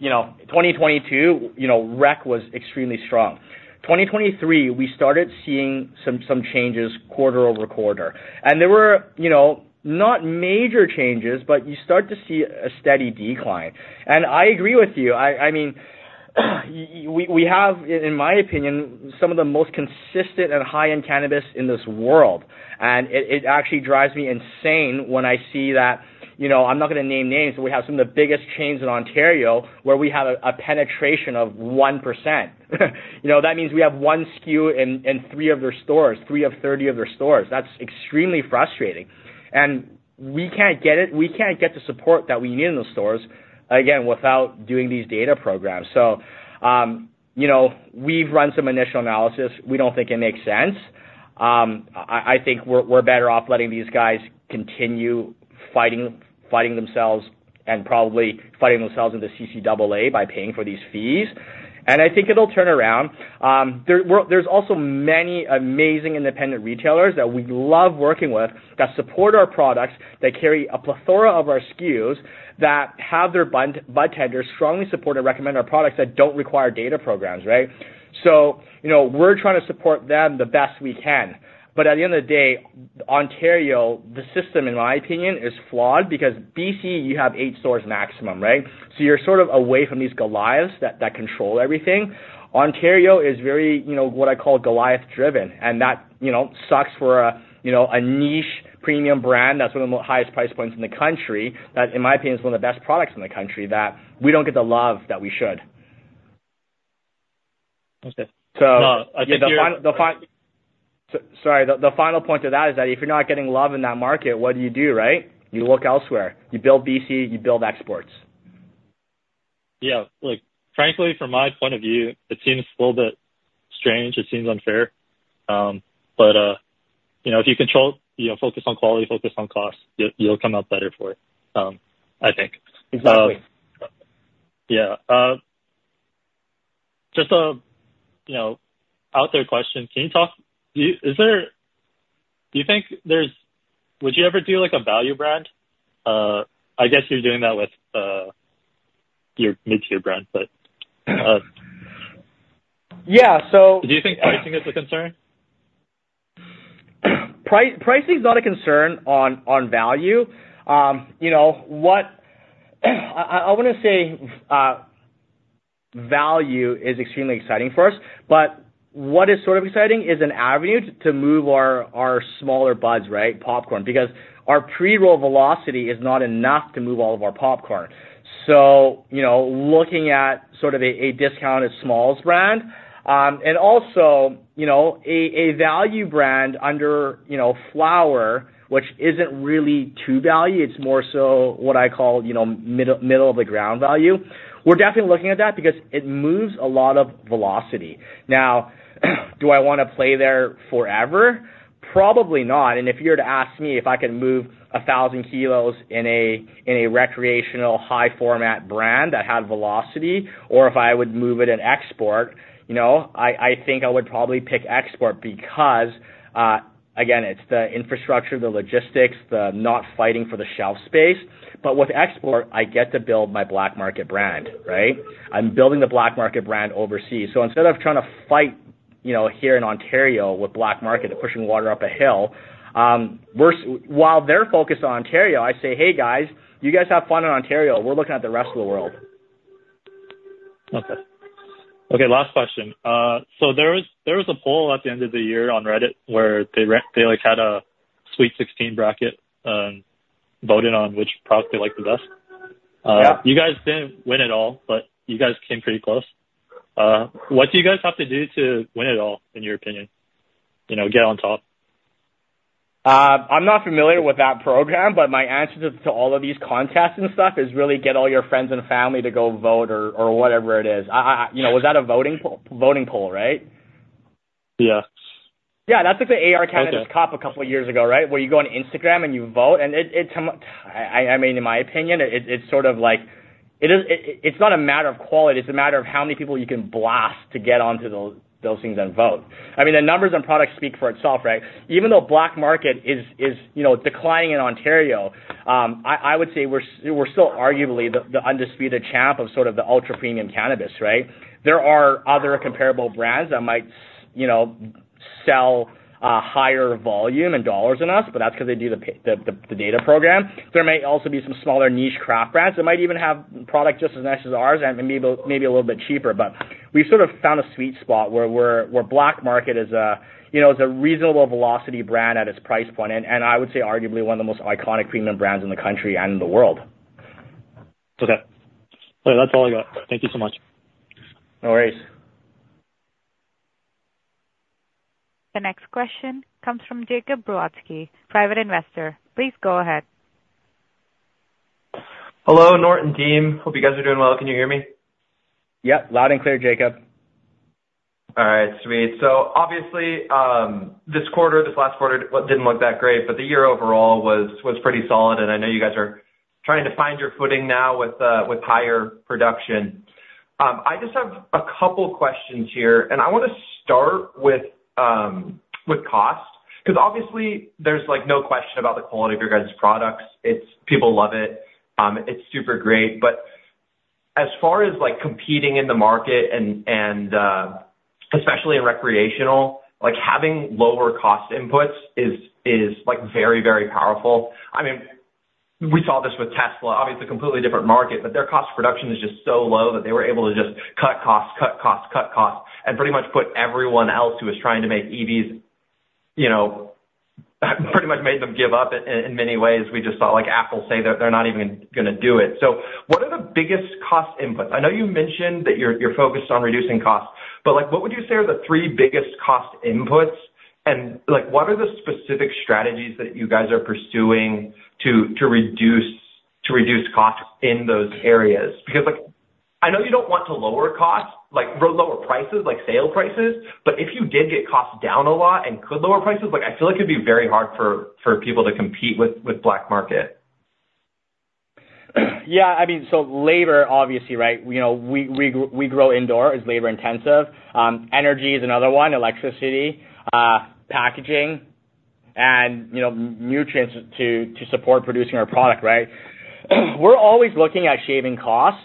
D: 2022, rec was extremely strong. 2023, we started seeing some changes quarter-over-quarter. And there were not major changes, but you start to see a steady decline. And I agree with you. I mean, we have, in my opinion, some of the most consistent and high-end cannabis in this world. And it actually drives me insane when I see that I'm not going to name names. We have some of the biggest chains in Ontario where we have a penetration of 1%. That means we have 1 SKU in three of their stores, three of 30 of their stores. That's extremely frustrating. We can't get it. We can't get the support that we need in those stores, again, without doing these data programs. We've run some initial analysis. We don't think it makes sense. I think we're better off letting these guys continue fighting themselves and probably fighting themselves in the CCAA by paying for these fees. I think it'll turn around. There's also many amazing independent retailers that we love working with that support our products, that carry a plethora of our SKUs, that have their budtenders strongly support and recommend our products that don't require data programs, right? We're trying to support them the best we can. At the end of the day, Ontario, the system, in my opinion, is flawed because BC, you have eight stores maximum, right? So you're sort of away from these Goliaths that control everything. Ontario is very what I call Goliath-driven. That sucks for a niche premium brand. That's one of the highest price points in the country that, in my opinion, is one of the best products in the country that we don't get the love that we should.
G: Okay. No, I think you're.
D: Sorry. The final point to that is that if you're not getting love in that market, what do you do, right? You look elsewhere. You build BC. You build exports.
G: Yeah. Frankly, from my point of view, it seems a little bit strange. It seems unfair. But if you focus on quality, focus on cost, you'll come out better for it, I think.
D: Exactly.
G: Yeah. Just an out-there question. Can you talk do you think there's would you ever do a value brand? I guess you're doing that with your mid-tier brand, but.
D: Yeah. So.
G: Do you think pricing is a concern?
D: Pricing's not a concern on value. I want to say value is extremely exciting for us. But what is sort of exciting is an avenue to move our smaller buds, right, popcorn, because our pre-roll velocity is not enough to move all of our popcorn. So looking at sort of a discounted smalls brand and also a value brand under flower, which isn't really to value. It's more so what I call middle-of-the-ground value. We're definitely looking at that because it moves a lot of velocity. Now, do I want to play there forever? Probably not. And if you were to ask me if I could move 1,000 kilos in a recreational high-format brand that had velocity or if I would move it in export, I think I would probably pick export because, again, it's the infrastructure, the logistics, the not fighting for the shelf space. But with export, I get to build my BLK MKT brand, right? I'm building the BLK MKT brand overseas. So instead of trying to fight here in Ontario with BLK MKT, pushing water up a hill, while they're focused on Ontario, I say, "Hey, guys, you guys have fun in Ontario. We're looking at the rest of the world.
G: Okay. Okay. Last question. So there was a poll at the end of the year on Reddit where they had a Sweet 16 brecet voted on which product they liked the best. You guys didn't win at all, but you guys came pretty close. What do you guys have to do to win at all, in your opinion, get on top?
D: I'm not familiar with that program, but my answer to all of these contests and stuff is really get all your friends and family to go vote or whatever it is. Was that a voting poll, right?
G: Yeah.
D: Yeah. That's like the ARCannabis Cup a couple of years ago, right, where you go on Instagram and you vote. And I mean, in my opinion, it's sort of like it's not a matter of quality. It's a matter of how many people you can blast to get onto those things and vote. I mean, the numbers and products speak for itself, right? Even though BLK MKT is declining in Ontario, I would say we're still arguably the undisputed champ of sort of the ultra-premium cannabis, right? There are other comparable brands that might sell higher volume in dollars than us, but that's because they do the data program. There may also be some smaller niche craft brands that might even have product just as nice as ours and maybe a little bit cheaper. We've sort of found a sweet spot where BLK MKT is a reasonable velocity brand at its price point and I would say arguably one of the most iconic premium brands in the country and in the world.
G: Okay. All right. That's all I got. Thank you so much.
D: No worries.
A: The next question comes from Jacob Polwatsky, private investor. Please go ahead.
H: Hello, Norton team. Hope you guys are doing well. Can you hear me?
D: Yep. Loud and clear, Jacob.
H: All right, sweet. So obviously, this quarter, this last quarter, didn't look that great, but the year overall was pretty solid. I know you guys are trying to find your footing now with higher production. I just have a couple of questions here. I want to start with cost because obviously, there's no question about the quality of your guys' products. People love it. It's super great. But as far as competing in the market, and especially in recreational, having lower cost inputs is very, very powerful. I mean, we saw this with Tesla. Obviously, completely different market, but their cost of production is just so low that they were able to just cut costs, cut costs, cut costs, and pretty much put everyone else who was trying to make EVs pretty much made them give up in many ways. We just saw Apple say they're not even going to do it. So what are the biggest cost inputs? I know you mentioned that you're focused on reducing costs, but what would you say are the three biggest cost inputs? And what are the specific strategies that you guys are pursuing to reduce costs in those areas? Because I know you don't want to lower costs, lower prices, like sale prices, but if you did get costs down a lot and could lower prices, I feel like it'd be very hard for people to compete with BLK MKT.
D: Yeah. I mean, so labor, obviously, right? We grow indoors. Labor-intensive. Energy is another one, electricity, packaging, and nutrients to support producing our product, right? We're always looking at shaving costs.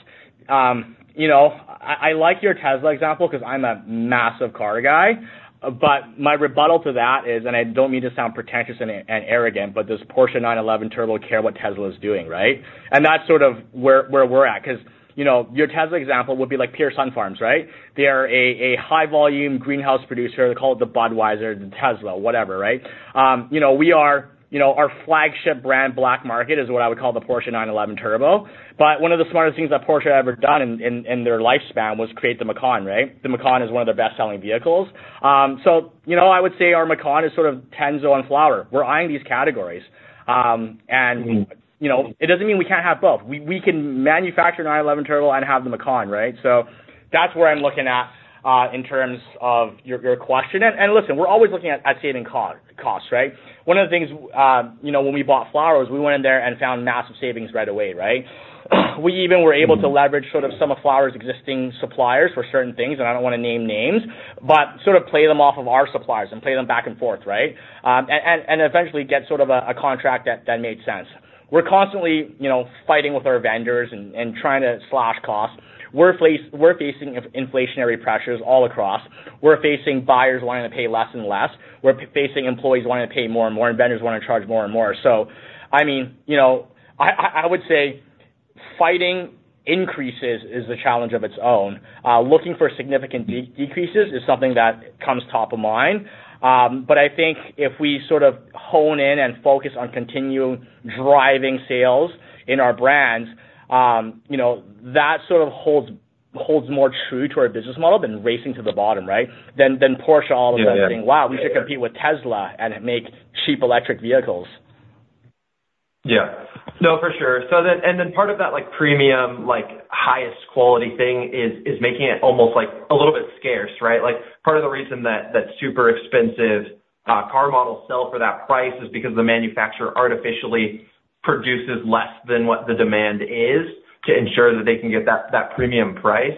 D: I like your Tesla example because I'm a massive car guy. But my rebuttal to that is, and I don't mean to sound pretentious and arrogant, but does Porsche 911 Turbo care what Tesla is doing, right? And that's sort of where we're at because your Tesla example would be like Pure Sunfarms, right? They are a high-volume greenhouse producer. They call it the Budweiser, the Tesla, whatever, right? We are our flagship brand BLK MKT is what I would call the Porsche 911 Turbo. But one of the smartest things that Porsche had ever done in their lifespan was create the Macan, right? The Macan is one of their best-selling vehicles. So I would say our Macan is sort of Tenzo and Flowr. We're eyeing these categories. It doesn't mean we can't have both. We can manufacture 911 Turbo and have the Macan, right? So that's where I'm looking at in terms of your question. And listen, we're always looking at saving costs, right? One of the things when we bought Flowr was we went in there and found massive savings right away, right? We even were able to leverage sort of some of Flowr's existing suppliers for certain things, and I don't want to name names, but sort of play them off of our suppliers and play them back and forth, right, and eventually get sort of a contract that made sense. We're constantly fighting with our vendors and trying to slash costs. We're facing inflationary pressures all across. We're facing buyers wanting to pay less and less. We're facing employees wanting to pay more and more, and vendors wanting to charge more and more. So I mean, I would say fighting increases is the challenge of its own. Looking for significant decreases is something that comes top of mind. But I think if we sort of hone in and focus on continuing driving sales in our brands, that sort of holds more true to our business model than racing to the bottom, right, than Porsche all of a sudden saying, "Wow, we should compete with Tesla and make cheap electric vehicles.
H: Yeah. No, for sure. And then part of that premium, highest-quality thing is making it almost a little bit scarce, right? Part of the reason that super expensive car models sell for that price is because the manufacturer artificially produces less than what the demand is to ensure that they can get that premium price.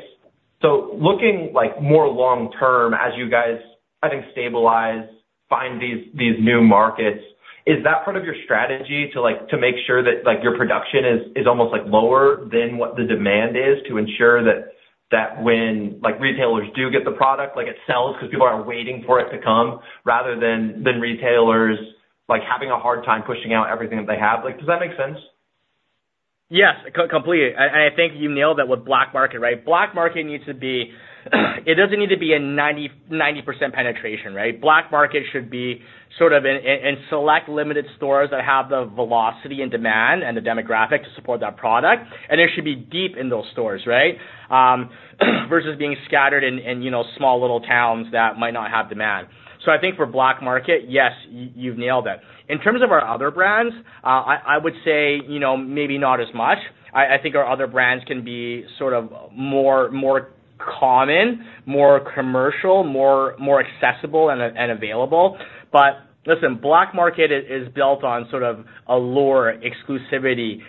H: So looking more long-term as you guys, I think, stabilize, find these new markets, is that part of your strategy to make sure that your production is almost lower than what the demand is to ensure that when retailers do get the product, it sells because people are waiting for it to come rather than retailers having a hard time pushing out everything that they have? Does that make sense?
D: Yes, completely. I think you nailed that with BLK MKT, right? BLK MKT needs to be it doesn't need to be a 90% penetration, right? BLK MKT should be sort of in select limited stores that have the velocity and demand and the demographic to support that product. And it should be deep in those stores, right, versus being scattered in small little towns that might not have demand. So I think for BLK MKT, yes, you've nailed it. In terms of our other brands, I would say maybe not as much. I think our other brands can be sort of more common, more commercial, more accessible and available. But listen, BLK MKT is built on sort of a lower exclusivity,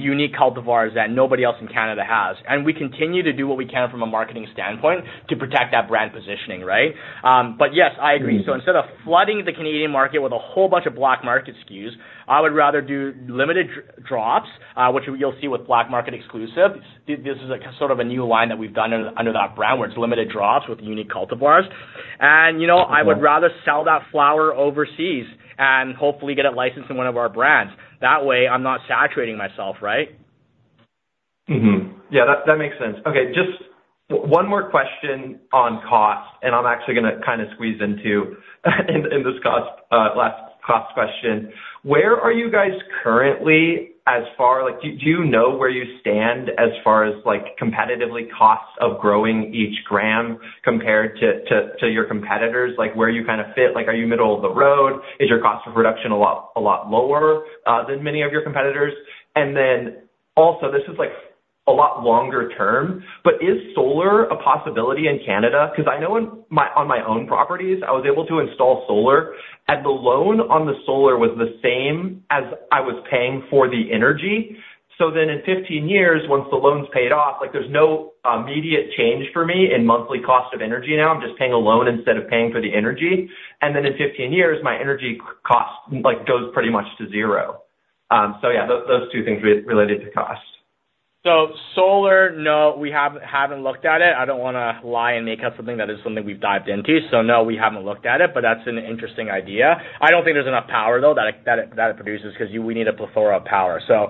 D: unique cultivars that nobody else in Canada has. And we continue to do what we can from a marketing standpoint to protect that brand positioning, right? Yes, I agree. Instead of flooding the Canadian market with a whole bunch of BLK MKT SKUs, I would rather do limited drops, which you'll see with BLK MKT exclusive. This is sort of a new line that we've done under that brand where it's limited drops with unique cultivars. And I would rather sell that flower overseas and hopefully get it licensed in one of our brands. That way, I'm not saturating myself, right?
H: Yeah, that makes sense. Okay. Just one more question on cost, and I'm actually going to kind of squeeze into this last cost question. Where are you guys currently as far do you know where you stand as far as competitive costs of growing each gram compared to your competitors? Where you kind of fit? Are you middle of the road? Is your cost of production a lot lower than many of your competitors? And then also, this is a lot longer term, but is solar a possibility in Canada? Because I know on my own properties, I was able to install solar, and the loan on the solar was the same as I was paying for the energy. So then in 15 years, once the loan's paid off, there's no immediate change for me in monthly cost of energy now. I'm just paying a loan instead of paying for the energy. And then in 15 years, my energy cost goes pretty much to zero. So yeah, those two things related to cost.
D: So, solar, no, we haven't looked at it. I don't want to lie and make up something that is something we've dived into. So no, we haven't looked at it, but that's an interesting idea. I don't think there's enough power, though, that it produces because we need a plethora of power. So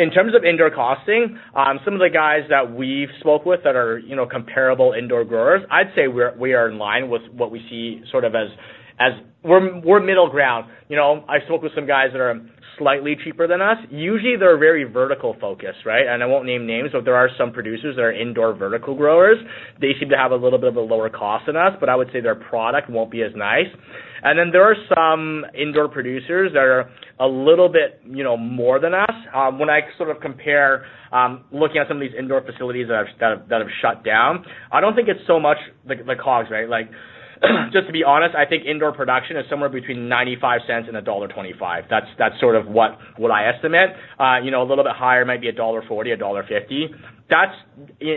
D: in terms of indoor costing, some of the guys that we've spoke with that are comparable indoor growers, I'd say we are in line with what we see sort of as we're middle ground. I spoke with some guys that are slightly cheaper than us. Usually, they're very vertical-focused, right? And I won't name names, but there are some producers that are indoor vertical growers. They seem to have a little bit of a lower cost than us, but I would say their product won't be as nice. Then there are some indoor producers that are a little bit more than us. When I sort of compare looking at some of these indoor facilities that have shut down, I don't think it's so much the cost, right? Just to be honest, I think indoor production is somewhere between 0.95 and dollar 1.25. That's sort of what I estimate. A little bit higher might be dollar 1.40, dollar 1.50.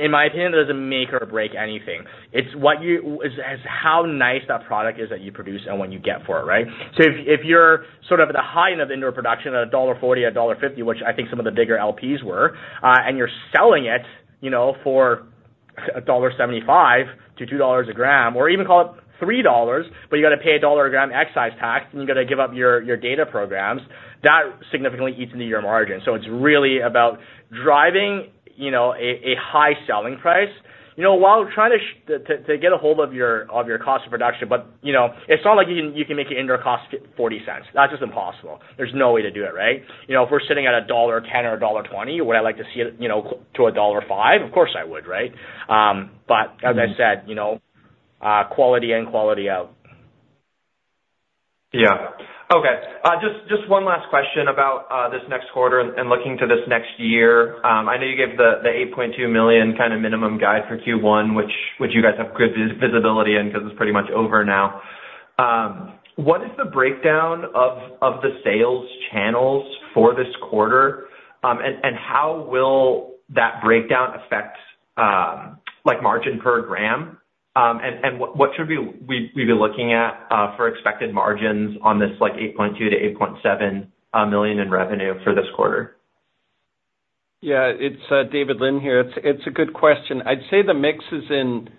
D: In my opinion, it doesn't make or break anything. It's how nice that product is that you produce and what you get for it, right? So if you're sort of at the high end of indoor production at dollar 1.40, dollar 1.50, which I think some of the bigger LPs were, and you're selling it for 1.75-2 dollars a gram, or even call it 3 dollars, but you got to pay CAD 1 a gram excise tax, and you got to give up your data programs, that significantly eats into your margin. So it's really about driving a high selling price while trying to get a hold of your cost of production. But it's not like you can make your indoor cost 0.40. That's just impossible. There's no way to do it, right? If we're sitting at dollar 1.10 or dollar 1.20, would I like to see it to dollar 1.05? Of course, I would, right? But as I said, quality and quality of.
H: Yeah. Okay. Just one last question about this next quarter and looking to this next year. I know you gave the 8.2 million kind of minimum guide for Q1, which you guys have good visibility in because it's pretty much over now. What is the breakdown of the sales channels for this quarter, and how will that breakdown affect margin per gram? And what should we be looking at for expected margins on this 8.2 million-8.7 million in revenue for this quarter?
F: Yeah. It's David Lynn here. It's a good question. I'd say the mix is in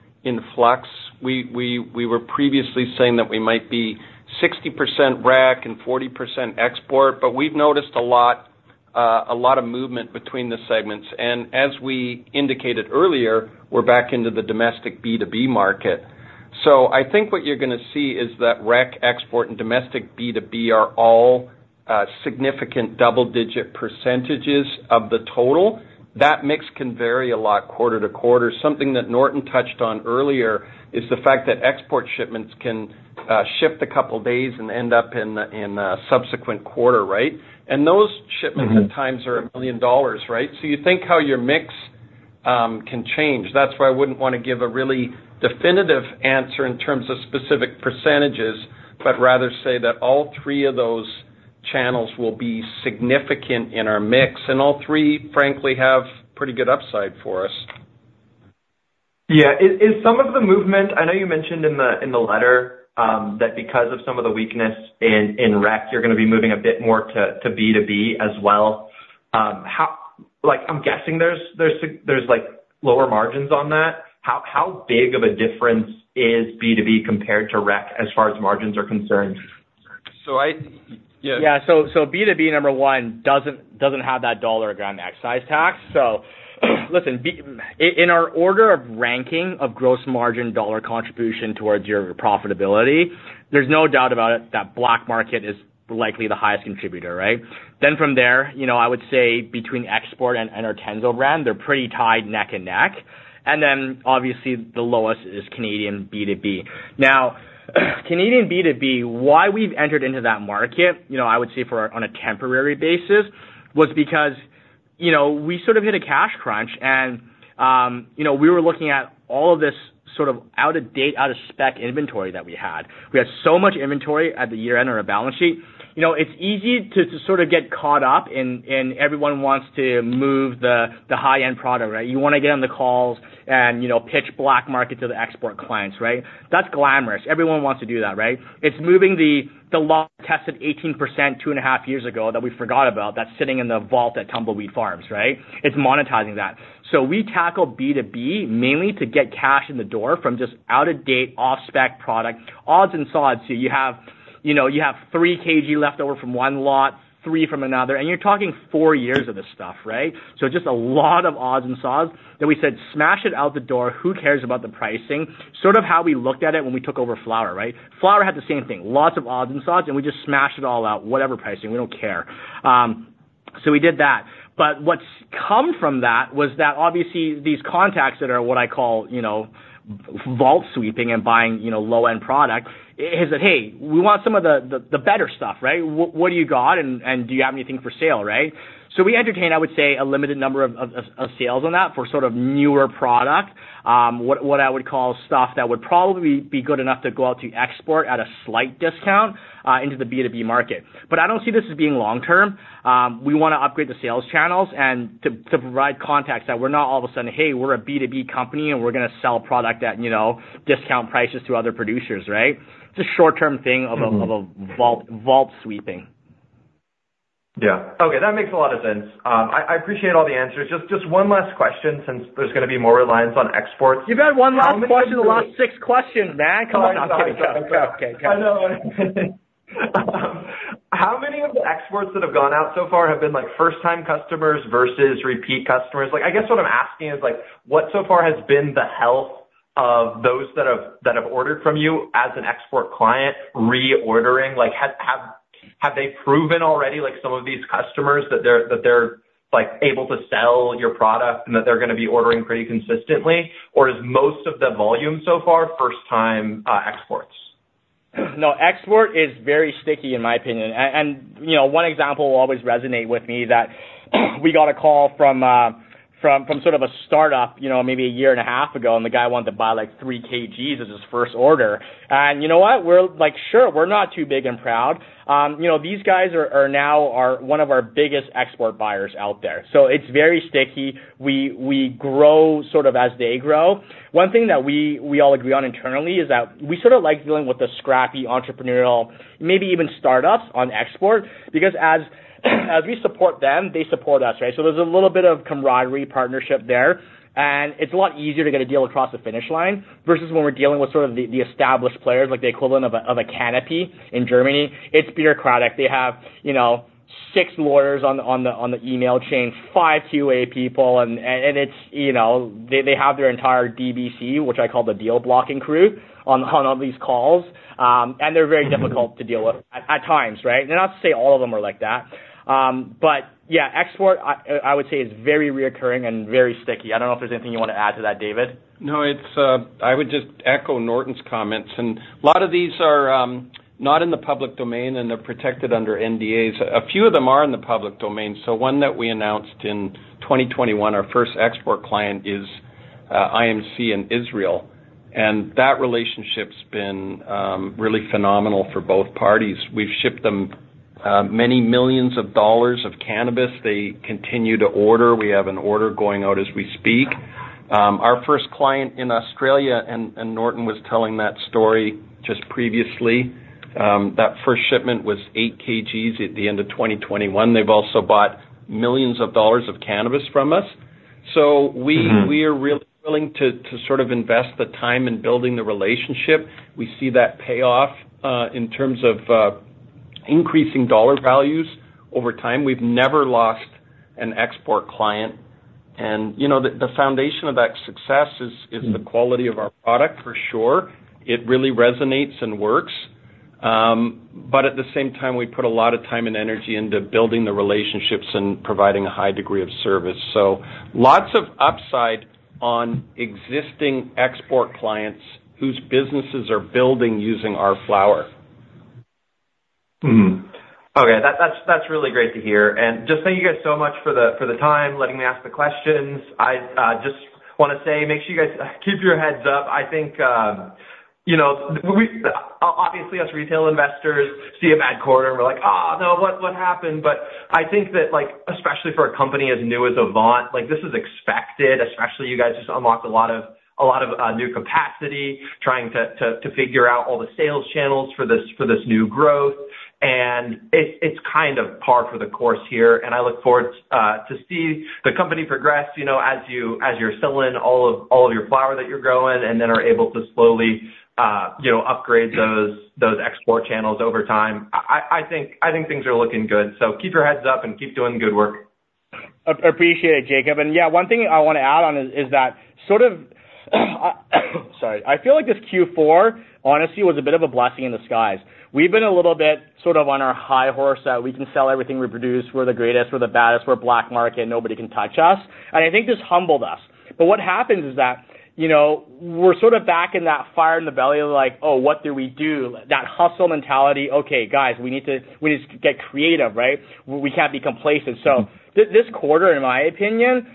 F: flux. We were previously saying that we might be 60% rec and 40% export, but we've noticed a lot of movement between the segments. And as we indicated earlier, we're back into the domestic B2B market. So I think what you're going to see is that rec, export, and domestic B2B are all significant double-digit percentages of the total. That mix can vary a lot quarter to quarter. Something that Norton touched on earlier is the fact that export shipments can shift a couple of days and end up in subsequent quarter, right? And those shipments at times are 1 million dollars, right? So you think how your mix can change. That's why I wouldn't want to give a really definitive answer in terms of specific percentages, but rather say that all three of those channels will be significant in our mix. All three, frankly, have pretty good upside for us.
H: Yeah. Is some of the movement I know you mentioned in the letter that because of some of the weakness in rec, you're going to be moving a bit more to B2B as well. I'm guessing there's lower margins on that. How big of a difference is B2B compared to rec as far as margins are concerned?
D: So yeah. So B2B, number one, doesn't have that $1/gram excise tax. So listen, in our order of ranking of gross margin dollar contribution towards your profitability, there's no doubt about it that BLK MKT is likely the highest contributor, right? Then from there, I would say between export and our Tenzo brand, they're pretty tied neck and neck. And then obviously, the lowest is Canadian B2B. Now, Canadian B2B, why we've entered into that market, I would say on a temporary basis, was because we sort of hit a cash crunch, and we were looking at all of this sort of out-of-date, out-of-spec inventory that we had. We had so much inventory at the year-end on our balance sheet. It's easy to sort of get caught up in everyone wants to move the high-end product, right? You want to get on the calls and pitch BLK MKT to the export clients, right? That's glamorous. Everyone wants to do that, right? It's moving the lot tested 18% 2.5 years ago that we forgot about that's sitting in the vault at Tumbleweed Farms, right? It's monetizing that. So we tackle B2B mainly to get cash in the door from just out-of-date, off-spec product, odds and sods. So you have 3 kg leftover from one lot, 3 from another. And you're talking 4 years of this stuff, right? So just a lot of odds and sods that we said, "Smash it out the door. Who cares about the pricing?" Sort of how we looked at it when we took over Flowr, right? Flowr had the same thing. Lots of odds and sods, and we just smashed it all out, whatever pricing. We don't care. So we did that. But what's come from that was that obviously, these contacts that are what I call vault sweeping and buying low-end product is that, "Hey, we want some of the better stuff, right? What do you got, and do you have anything for sale, right?" So we entertain, I would say, a limited number of sales on that for sort of newer product, what I would call stuff that would probably be good enough to go out to export at a slight discount into the B2B market. But I don't see this as being long-term. We want to upgrade the sales channels and to provide contacts that we're not all of a sudden, "Hey, we're a B2B company, and we're going to sell product at discount prices to other producers," right? It's a short-term thing of a vault sweeping.
H: Yeah. Okay. That makes a lot of sense. I appreciate all the answers. Just one last question since there's going to be more reliance on exports.
D: You've got 1 last question of the last 6 questions, man. Come on. I'm kidding.
H: I know. How many of the exports that have gone out so far have been first-time customers versus repeat customers? I guess what I'm asking is, what so far has been the health of those that have ordered from you as an export client reordering? Have they proven already, some of these customers, that they're able to sell your product and that they're going to be ordering pretty consistently? Or is most of the volume so far first-time exports?
D: No, export is very sticky, in my opinion. One example will always resonate with me that we got a call from sort of a startup maybe a year and a half ago, and the guy wanted to buy 3 kg as his first order. You know what? Sure, we're not too big and proud. These guys are now one of our biggest export buyers out there. So it's very sticky. We grow sort of as they grow. One thing that we all agree on internally is that we sort of like dealing with the scrappy entrepreneurial, maybe even startups, on export because as we support them, they support us, right? So there's a little bit of camaraderie partnership there. And it's a lot easier to get a deal across the finish line versus when we're dealing with sort of the established players, the equivalent of a Canopy in Germany. It's bureaucratic. They have six lawyers on the email chain, five QA people, and they have their entire DBC, which I call the deal-blocking crew, on all these calls. And they're very difficult to deal with at times, right? Not to say all of them are like that. But yeah, export, I would say, is very recurring and very sticky. I don't know if there's anything you want to add to that, David.
F: No, I would just echo Norton's comments. A lot of these are not in the public domain, and they're protected under NDAs. A few of them are in the public domain. One that we announced in 2021, our first export client is IMC in Israel. And that relationship's been really phenomenal for both parties. We've shipped them many millions of dollars of cannabis. They continue to order. We have an order going out as we speak. Our first client in Australia, and Norton was telling that story just previously, that first shipment was 8 kg at the end of 2021. They've also bought millions of dollars of cannabis from us. So we are really willing to sort of invest the time in building the relationship. We see that payoff in terms of increasing dollar values over time. We've never lost an export client. The foundation of that success is the quality of our product, for sure. It really resonates and works. But at the same time, we put a lot of time and energy into building the relationships and providing a high degree of service. Lots of upside on existing export clients whose businesses are building using our flower.
I: Okay. That's really great to hear. And just thank you guys so much for the time letting me ask the questions. I just want to say, make sure you guys keep your heads up. I think obviously, us retail investors see a bad quarter, and we're like, "no, what happened?" But I think that especially for a company as new as Avant, this is expected, especially you guys just unlocked a lot of new capacity trying to figure out all the sales channels for this new growth. And it's kind of par for the course here. And I look forward to seeing the company progress as you're selling all of your flower that you're growing and then are able to slowly upgrade those export channels over time. I think things are looking good. So keep your heads up and keep doing good work.
D: Appreciate it, Jacob. Yeah, one thing I want to add on is that sort of sorry. I feel like this Q4, honestly, was a bit of a blessing in the skies. We've been a little bit sort of on our high horse that we can sell everything we produce. We're the greatest. We're the baddest. We're BLK MKT. Nobody can touch us. I think this humbled us. But what happens is that we're sort of back in that fire in the belly of like, "Oh, what do we do?" That hustle mentality. "Okay, guys, we need to get creative, right? We can't be complacent." So this quarter, in my opinion,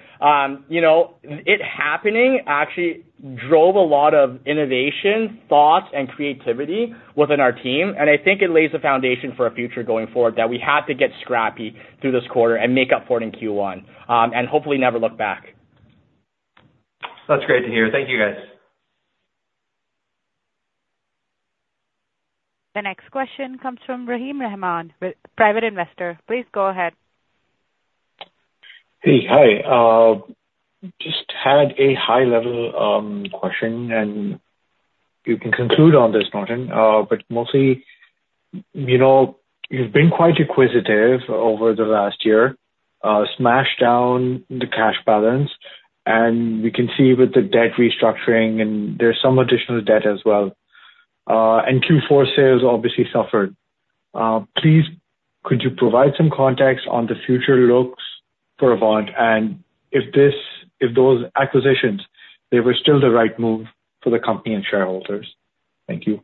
D: it happening actually drove a lot of innovation, thoughts, and creativity within our team. I think it lays the foundation for a future going forward that we had to get scrappy through this quarter and make up for it in Q1 and hopefully never look back.
H: That's great to hear. Thank you, guys.
B: The next question comes from Rahim Rahman, private investor. Please go ahead.
J: Hey. Hi. Just had a high-level question, and you can conclude on this, Norton. But mostly, you've been quite inquisitive over the last year, smashed down the cash balance. And we can see with the debt restructuring, and there's some additional debt as well. And Q4 sales, obviously, suffered. Could you provide some context on the future looks for Avant and if those acquisitions, they were still the right move for the company and shareholders? Thank you.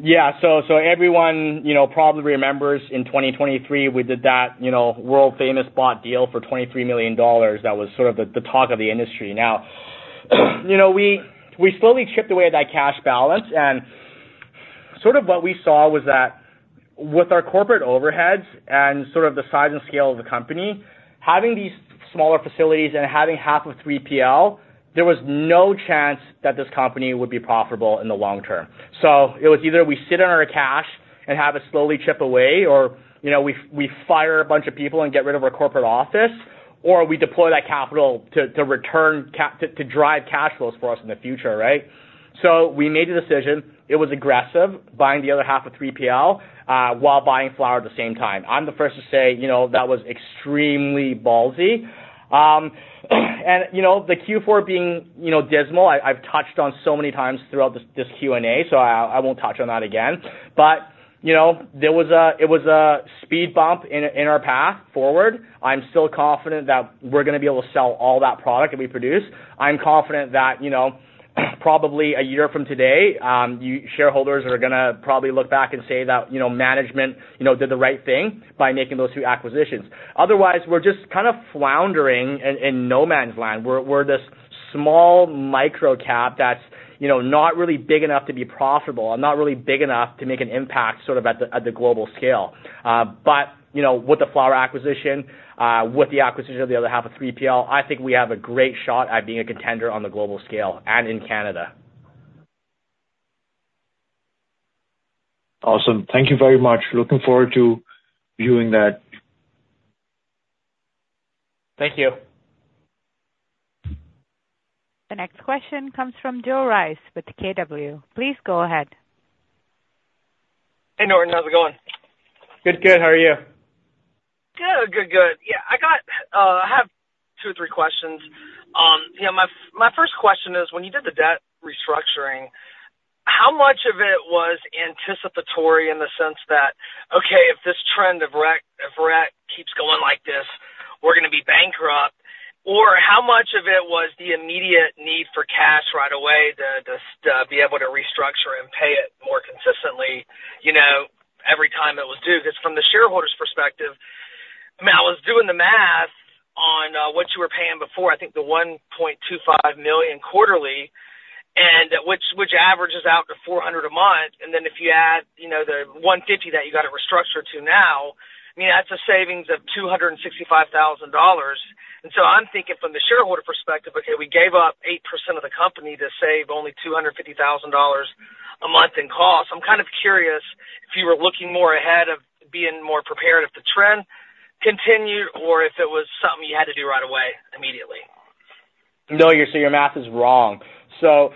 D: Yeah. So everyone probably remembers in 2023, we did that world-famous debt deal for 23 million dollars that was sort of the talk of the industry. Now, we slowly chipped away at that cash balance. And sort of what we saw was that with our corporate overheads and sort of the size and scale of the company, having these smaller facilities and having half of 3PL, there was no chance that this company would be profitable in the long term. So it was either we sit on our cash and have it slowly chip away, or we fire a bunch of people and get rid of our corporate office, or we deploy that capital to drive cash flows for us in the future, right? So we made the decision. It was aggressive, buying the other half of 3PL while buying flower at the same time. I'm the first to say that was extremely ballsy. And the Q4 being dismal, I've touched on so many times throughout this Q&A, so I won't touch on that again. But there was a speed bump in our path forward. I'm still confident that we're going to be able to sell all that product that we produce. I'm confident that probably a year from today, shareholders are going to probably look back and say that management did the right thing by making those 2 acquisitions. Otherwise, we're just kind of floundering in no man's land. We're this small microcap that's not really big enough to be profitable and not really big enough to make an impact sort of at the global scale. But with the flower acquisition, with the acquisition of the other half of 3PL, I think we have a great shot at being a contender on the global scale and in Canada.
J: Awesome. Thank you very much. Looking forward to viewing that.
D: Thank you.
B: The next question comes from Joe Rice with KW. Please go ahead.
K: Hey, Norton. How's it going?
D: Good, good. How are you?
K: Good, good, good. Yeah, I have two or three questions. My first question is, when you did the debt restructuring, how much of it was anticipatory in the sense that, "Okay, if this trend of rec keeps going like this, we're going to be bankrupt"? Or how much of it was the immediate need for cash right away to be able to restructure and pay it more consistently every time it was due? Because from the shareholders' perspective, I mean, I was doing the math on what you were paying before, I think the 1.25 million quarterly, which averages out to 400,000 a month. And then if you add the 150,000 that you got it restructured to now, I mean, that's a savings of 265,000 dollars. So I'm thinking from the shareholder perspective, "Okay, we gave up 8% of the company to save only 250,000 dollars a month in cost." I'm kind of curious if you were looking more ahead of being more prepared if the trend continued or if it was something you had to do right away, immediately.
D: No, so your math is wrong. So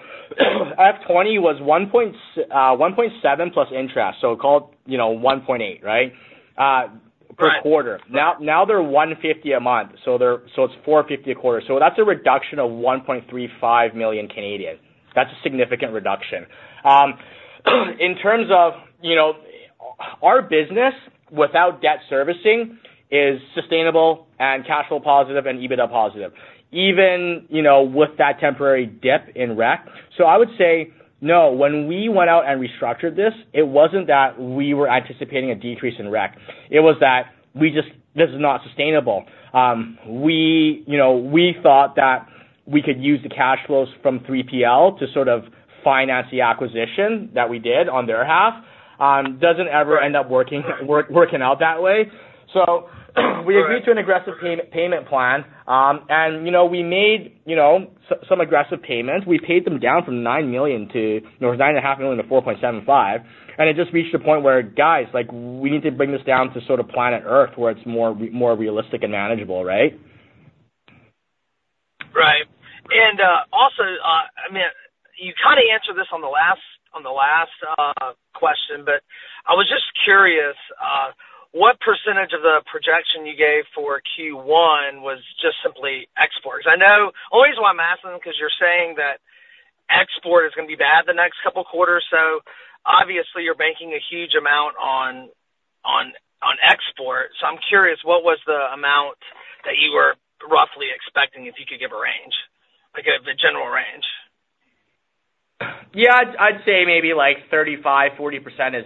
D: F20 was 1.7 million plus interest, so called 1.8 million, right, per quarter. Now they're 150 a month, so it's 450 a quarter. So that's a reduction of 1.35 million. That's a significant reduction. In terms of our business, without debt servicing, is sustainable and cash flow positive and EBITDA positive, even with that temporary dip in rec. So I would say, no, when we went out and restructured this, it wasn't that we were anticipating a decrease in rec. It was that this is not sustainable. We thought that we could use the cash flows from 3PL to sort of finance the acquisition that we did on their behalf. Doesn't ever end up working out that way. So we agreed to an aggressive payment plan. And we made some aggressive payments. We paid them down from 9 million to 9.5 million to 4.75 million. And it just reached a point where, "Guys, we need to bring this down to sort of planet Earth where it's more realistic and manageable," right?
K: Right. Also, I mean, you kind of answered this on the last question, but I was just curious, what percentage of the projection you gave for Q1 was just simply export? Because I know the only reason why I'm asking is because you're saying that export is going to be bad the next couple of quarters. So obviously, you're banking a huge amount on export. So I'm curious, what was the amount that you were roughly expecting if you could give a range, a general range?
D: Yeah, I'd say maybe 35%-40%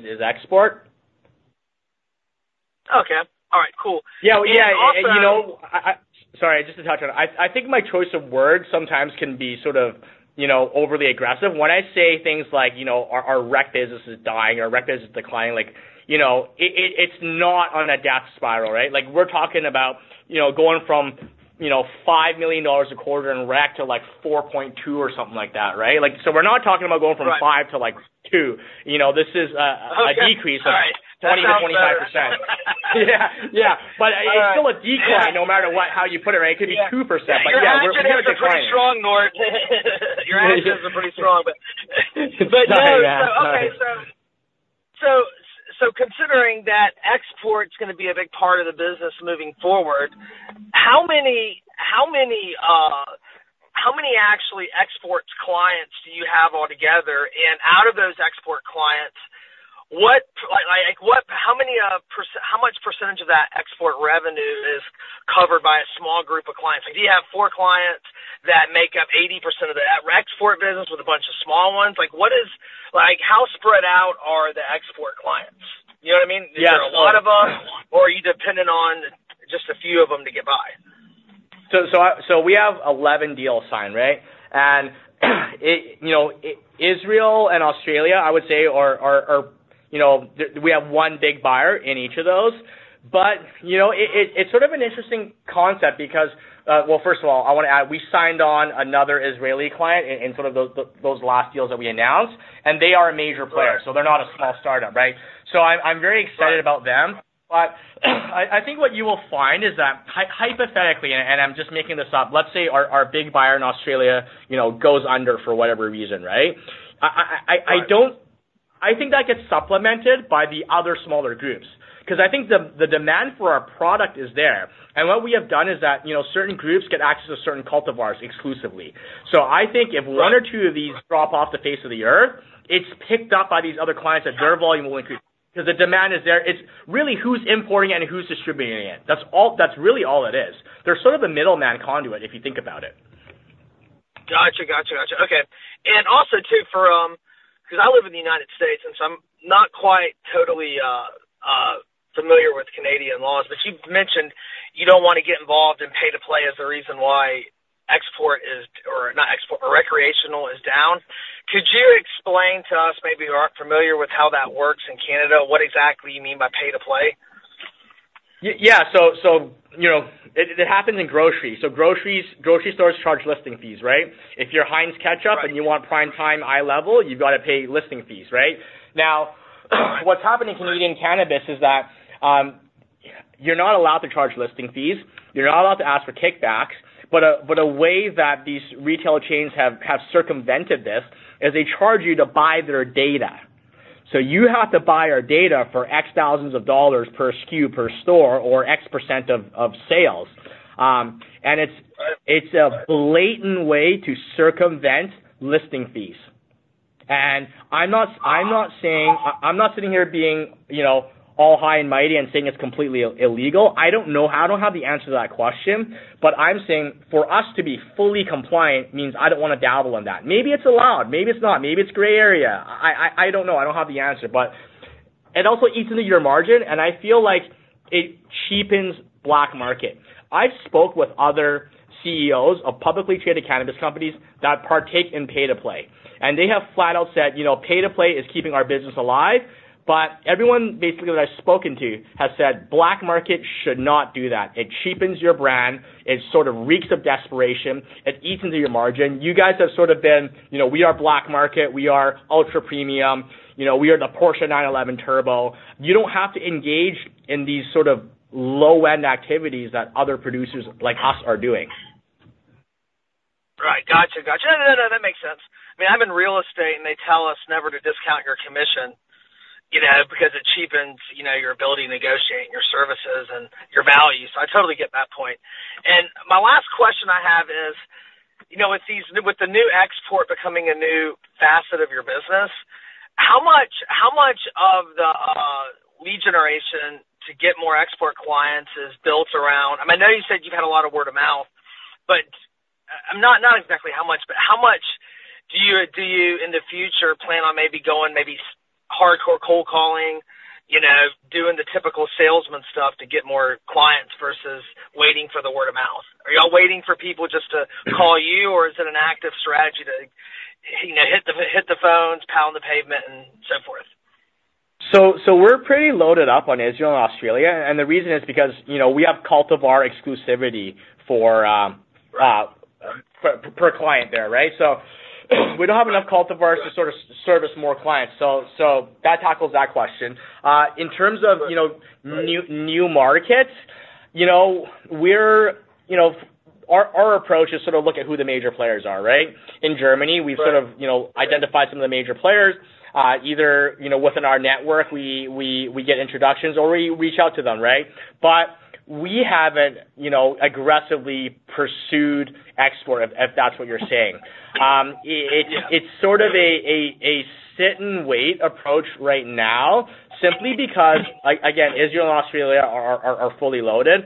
D: is export.
K: Okay. All right. Cool.
D: Yeah. Yeah. And sorry, I just had to touch on it. I think my choice of words sometimes can be sort of overly aggressive. When I say things like, "Our rec business is dying," or, "Our rec business is declining," it's not on a death spiral, right? We're talking about going from 5 million a quarter in rec to 4.2 million or something like that, right? So we're not talking about going from 5 to 2. This is a decrease of 20%-25%.
K: Oh, sorry.
D: Yeah. Yeah. But it's still a decline no matter how you put it, right? It could be 2%. But yeah, we're kind of declining.
K: You guys are pretty strong, Norton.
D: Your actions are pretty strong, but no.
K: So considering that export's going to be a big part of the business moving forward, how many actually export clients do you have altogether? And out of those export clients, how much percentage of that export revenue is covered by a small group of clients? Do you have four clients that make up 80% of the export business with a bunch of small ones? How spread out are the export clients? You know what I mean? Is there a lot of them, or are you dependent on just a few of them to get by?
D: So we have 11 deal signed, right? And Israel and Australia, I would say, are we have one big buyer in each of those. But it's sort of an interesting concept because, well, first of all, I want to add, we signed on another Israeli client in sort of those last deals that we announced, and they are a major player. So they're not a small startup, right? So I'm very excited about them. But I think what you will find is that hypothetically - and I'm just making this up - let's say our big buyer in Australia goes under for whatever reason, right? I think that gets supplemented by the other smaller groups because I think the demand for our product is there. And what we have done is that certain groups get access to certain cultivars exclusively. So I think if one or two of these drop off the face of the earth, it's picked up by these other clients that their volume will increase because the demand is there. It's really who's importing and who's distributing it. That's really all it is. They're sort of the middleman conduit, if you think about it.
K: Gotcha. Gotcha. Gotcha. Okay. And also, too, because I live in the United States, and so I'm not quite totally familiar with Canadian laws, but you've mentioned you don't want to get involved in pay-to-play as the reason why export is or not export, but recreational is down. Could you explain to us, maybe you aren't familiar with how that works in Canada, what exactly you mean by pay-to-play?
D: Yeah. So it happens in groceries. So grocery stores charge listing fees, right? If you're Heinz ketchup and you want prime time eye level, you've got to pay listing fees, right? Now, what's happening in Canadian cannabis is that you're not allowed to charge listing fees. You're not allowed to ask for kickbacks. But a way that these retail chains have circumvented this is they charge you to buy their data. So you have to buy our data for CAD X thousands of dollars per SKU per store or X% of sales. And it's a blatant way to circumvent listing fees. And I'm not saying I'm not sitting here being all high and mighty and saying it's completely illegal. I don't know how. I don't have the answer to that question. But I'm saying for us to be fully compliant means I don't want to dabble in that. Maybe it's allowed. Maybe it's not. Maybe it's gray area. I don't know. I don't have the answer. But it also eats into your margin, and I feel like it cheapens BLK MKT. I've spoke with other CEOs of publicly traded cannabis companies that partake in pay-to-play. And they have flat out said, "Pay-to-play is keeping our business alive." But everyone basically that I've spoken to has said, "BLK MKT should not do that. It cheapens your brand. It sort of reeks of desperation. It eats into your margin. You guys have sort of been, 'We are BLK MKT. We are ultra premium. We are the Porsche 911 Turbo.' You don't have to engage in these sort of low-end activities that other producers like us are doing.
K: Right. Gotcha. Gotcha. No, no, no. That makes sense. I mean, I'm in real estate, and they tell us never to discount your commission because it cheapens your ability to negotiate and your services and your value. So I totally get that point. My last question I have is, with the new export becoming a new facet of your business, how much of the lead generation to get more export clients is built around I mean, I know you said you've had a lot of word of mouth, but not exactly how much, but how much do you, in the future, plan on maybe going maybe hardcore cold calling, doing the typical salesman stuff to get more clients versus waiting for the word of mouth? Are y'all waiting for people just to call you, or is it an active strategy to hit the phones, pound the pavement, and so forth?
D: So we're pretty loaded up on Israel and Australia. And the reason is because we have cultivar exclusivity per client there, right? So we don't have enough cultivars to sort of service more clients. So that tackles that question. In terms of new markets, our approach is sort of look at who the major players are, right? In Germany, we've sort of identified some of the major players. Either within our network, we get introductions, or we reach out to them, right? But we haven't aggressively pursued export, if that's what you're saying. It's sort of a sit-and-wait approach right now simply because, again, Israel and Australia are fully loaded.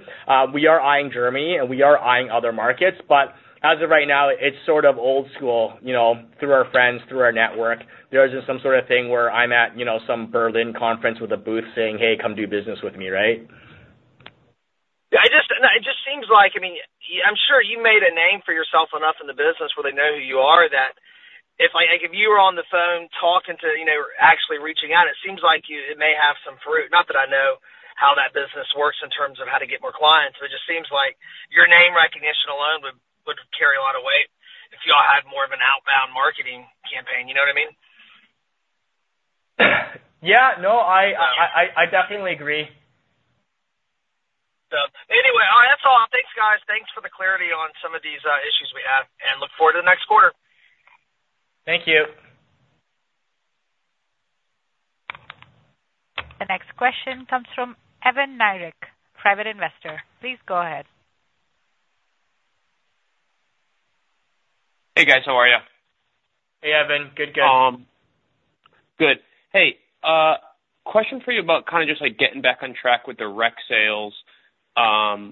D: We are eyeing Germany, and we are eyeing other markets. But as of right now, it's sort of old school through our friends, through our network. There isn't some sort of thing where I'm at some Berlin conference with a booth saying, "Hey, come do business with me," right?
K: It just seems like, I mean, I'm sure you made a name for yourself enough in the business where they know who you are, that if you were on the phone talking to, actually reaching out, it seems like it may have some fruit. Not that I know how that business works in terms of how to get more clients, but it just seems like your name recognition alone would carry a lot of weight if y'all had more of an outbound marketing campaign. You know what I mean?
D: Yeah. No, I definitely agree.
K: Anyway, all right. That's all. Thanks, guys. Thanks for the clarity on some of these issues we have. Look forward to the next quarter.
D: Thank you.
B: The next question comes from Evan Nirek, private investor. Please go ahead.
L: Hey, guys. How are you?
D: Hey, Evan. Good, good.
M: Good. Hey, question for you about kind of just getting back on trec with the rec sales. Are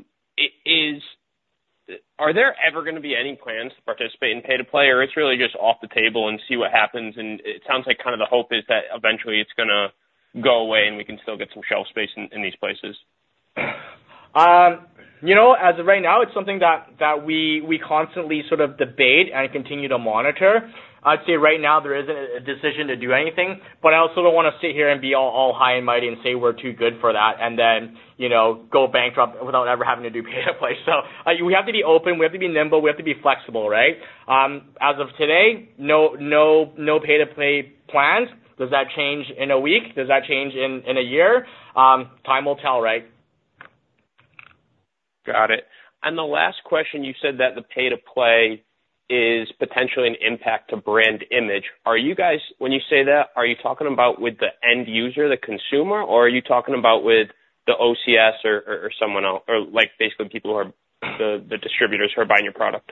M: there ever going to be any plans to participate in pay-to-play, or it's really just off the table and see what happens? And it sounds like kind of the hope is that eventually, it's going to go away, and we can still get some shelf space in these places.
D: As of right now, it's something that we constantly sort of debate and continue to monitor. I'd say right now, there isn't a decision to do anything. But I also don't want to sit here and be all high and mighty and say we're too good for that and then go bankrupt without ever having to do pay-to-play. So we have to be open. We have to be nimble. We have to be flexible, right? As of today, no pay-to-play plans. Does that change in a week? Does that change in a year? Time will tell, right?
L: Got it. And the last question, you said that the pay-to-play is potentially an impact to brand image. When you say that, are you talking about with the end user, the consumer, or are you talking about with the OCS or someone else, or basically people who are the distributors who are buying your product?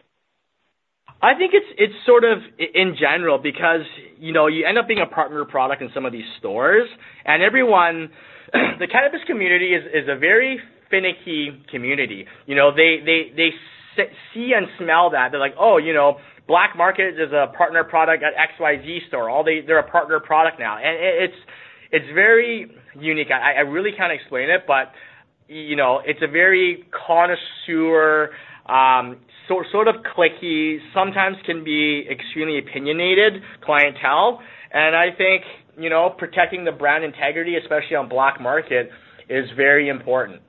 D: I think it's sort of in general because you end up being a partner product in some of these stores. And the cannabis community is a very finicky community. They see and smell that. They're like, "Oh, BLK MKT is a partner product at XYZ store. They're a partner product now." And it's very unique. I really can't explain it, but it's a very connoisseur, sort of cliquey, sometimes can be extremely opinionated clientele. And I think protecting the brand integrity, especially on BLK MKT, is very important.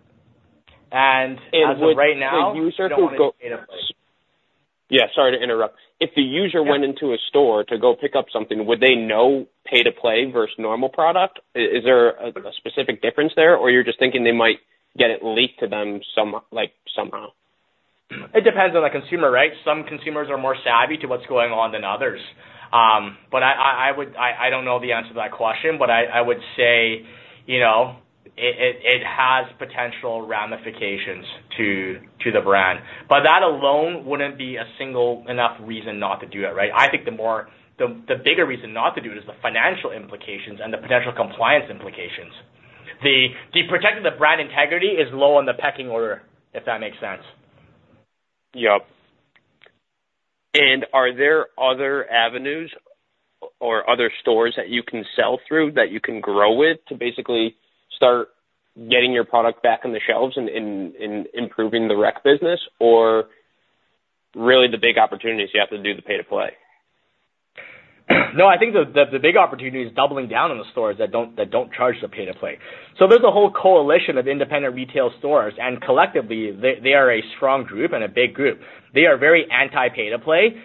D: And as of right now, we don't know if pay-to-play.
L: Yeah. Sorry to interrupt. If the user went into a store to go pick up something, would they know Pay-to-Play versus normal product? Is there a specific difference there, or you're just thinking they might get it leaked to them somehow?
D: It depends on the consumer, right? Some consumers are more savvy to what's going on than others. But I don't know the answer to that question. But I would say it has potential ramifications to the brand. But that alone wouldn't be a single enough reason not to do it, right? I think the bigger reason not to do it is the financial implications and the potential compliance implications. Protecting the brand integrity is low on the pecking order, if that makes sense.
L: Yep. Are there other avenues or other stores that you can sell through that you can grow with to basically start getting your product back on the shelves and improving the rec business, or really the big opportunities you have to do the pay-to-play?
D: No, I think the big opportunity is doubling down on the stores that don't charge the pay-to-play. So there's a whole coalition of independent retail stores. And collectively, they are a strong group and a big group. They are very anti-pay-to-play.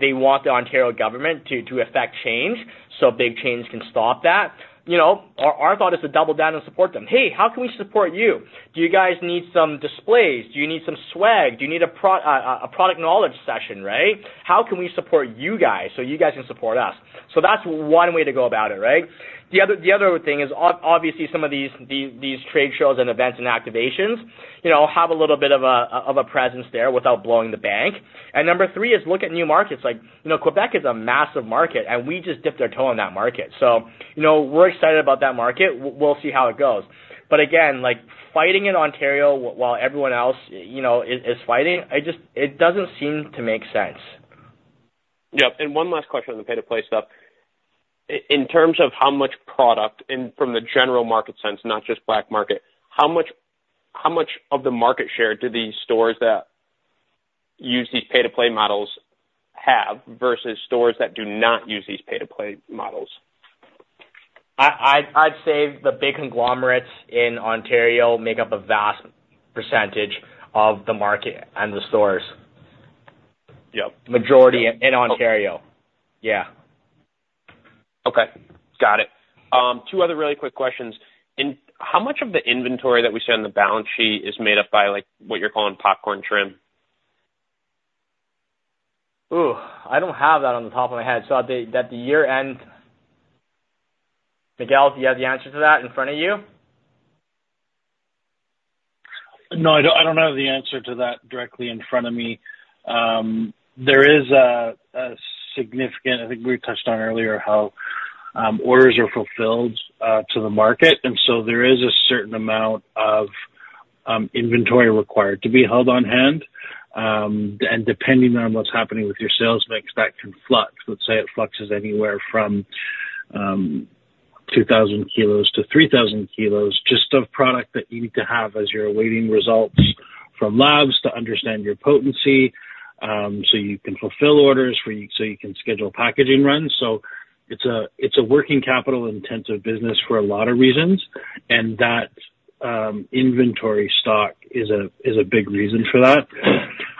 D: They want the Ontario government to affect change so big change can stop that. Our thought is to double down and support them. "Hey, how can we support you? Do you guys need some displays? Do you need some swag? Do you need a product knowledge session, right? How can we support you guys so you guys can support us?" So that's one way to go about it, right? The other thing is, obviously, some of these trade shows and events and activations have a little bit of a presence there without blowing the bank. And number three is look at new markets. Quebec is a massive market, and we just dipped our toe in that market. So we're excited about that market. We'll see how it goes. But again, fighting in Ontario while everyone else is fighting, it doesn't seem to make sense.
L: Yep. One last question on the pay-to-play stuff. In terms of how much product and from the general market sense, not just BLK MKT, how much of the market share do these stores that use these pay-to-play models have versus stores that do not use these pay-to-play models?
D: I'd say the big conglomerates in Ontario make up a vast percentage of the market and the stores, majority in Ontario. Yeah.
L: Okay. Got it. Two other really quick questions. How much of the inventory that we see on the balance sheet is made up by what you're calling popcorn trim?
D: Ooh, I don't have that on the top of my head. At the year-end, Miguel, do you have the answer to that in front of you?
C: No, I don't have the answer to that directly in front of me. There is a significant, I think we touched on earlier, how orders are fulfilled to the market. And so there is a certain amount of inventory required to be held on hand. And depending on what's happening with your sales mix, that can fluctuate. Let's say it fluctuates anywhere from 2,000-3,000 kilos just of product that you need to have as you're awaiting results from labs to understand your potency so you can fulfill orders so you can schedule packaging runs. So it's a working capital-intensive business for a lot of reasons. And that inventory stock is a big reason for that.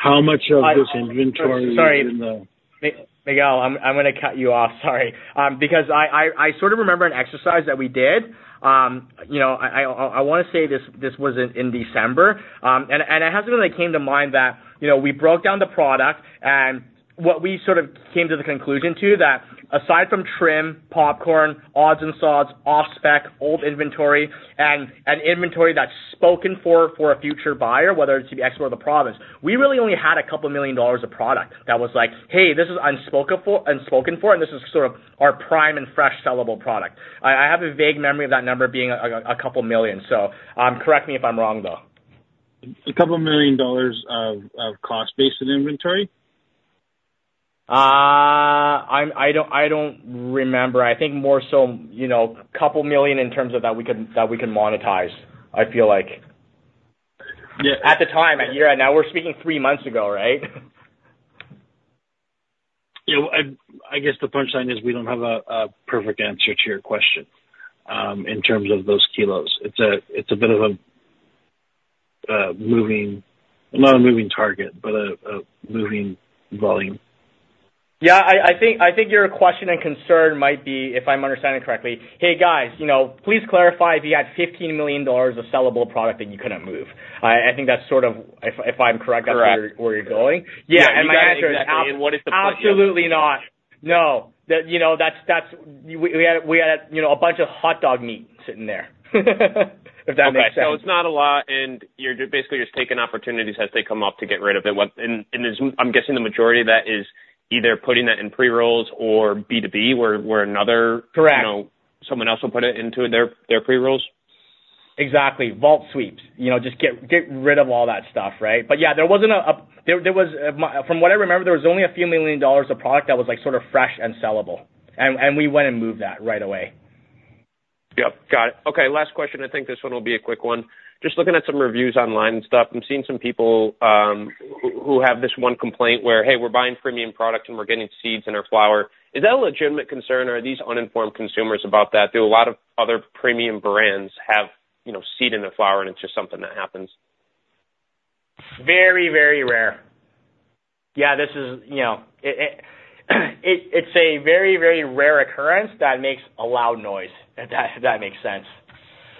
C: How much of this inventory is in the.
D: Sorry. Miguel, I'm going to cut you off. Sorry. Because I sort of remember an exercise that we did. I want to say this was in December. And it hasn't really came to mind that we broke down the product. And what we sort of came to the conclusion to that aside from trim, popcorn, odds and sods, off-spec, old inventory, and inventory that's spoken for a future buyer, whether it's to be exported to the province, we really only had 2 million dollars of product that was like, "Hey, this is unspoken for, and this is sort of our prime and fresh sellable product." I have a vague memory of that number being 2 million. So correct me if I'm wrong, though.
L: 2 million dollars of cost-based inventory?
D: I don't remember. I think more so 2 million in terms of that we can monetize, I feel like, at the time, at year-end. Now we're speaking three months ago, right?
L: Yeah. I guess the punchline is we don't have a perfect answer to your question in terms of those kilos. It's a bit of a moving target, but a moving volume.
D: Yeah. I think your question and concern might be, if I'm understanding correctly, "Hey, guys, please clarify if you had 15 million dollars of sellable product that you couldn't move." I think that's sort of, if I'm correct, that's where you're going. Yeah. And my answer is absolutely not. No, that's we had a bunch of hot dog meat sitting there, if that makes sense.
L: Okay. So it's not a lot. And basically, you're just taking opportunities as they come up to get rid of it. And I'm guessing the majority of that is either putting that in pre-rolls or B2B, where someone else will put it into their pre-rolls?
D: Exactly. Vault sweeps. Just get rid of all that stuff, right? But yeah, there wasn't, from what I remember, there was only a few million CAD of product that was sort of fresh and sellable. And we went and moved that right away.
L: Yep. Got it. Okay. Last question. I think this one will be a quick one. Just looking at some reviews online and stuff, I'm seeing some people who have this one complaint where, "Hey, we're buying premium product, and we're getting seeds in our flower." Is that a legitimate concern, or are these uninformed consumers about that? Do a lot of other premium brands have seed in their flower, and it's just something that happens?
D: Very, very rare. Yeah, this is, it's a very, very rare occurrence that makes a loud noise, if that makes sense.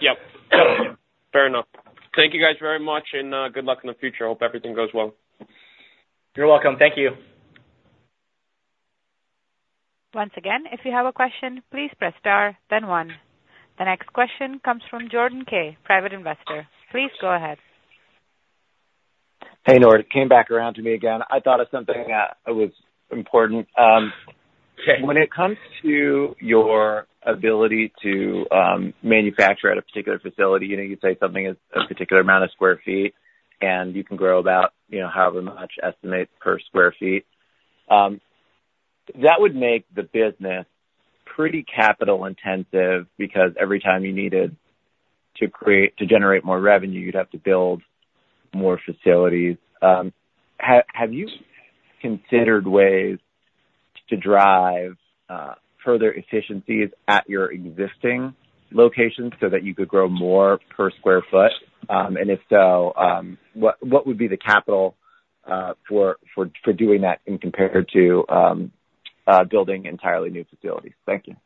L: Yep. Fair enough. Thank you guys very much, and good luck in the future. Hope everything goes well.
D: You're welcome. Thank you.
B: Once again, if you have a question, please press star, then one. The next question comes from Jordan Kay., private investor. Please go ahead.
E: Hey, Norton. It came back around to me again. I thought of something that was important. When it comes to your ability to manufacture at a particular facility, you say something is a particular amount of square feet, and you can grow about however much estimate per square feet, that would make the business pretty capital-intensive because every time you needed to generate more revenue, you'd have to build more facilities. Have you considered ways to drive further efficiencies at your existing locations so that you could grow more per square foot? And if so, what would be the capital for doing that and compared to building entirely new facilities? Thank you.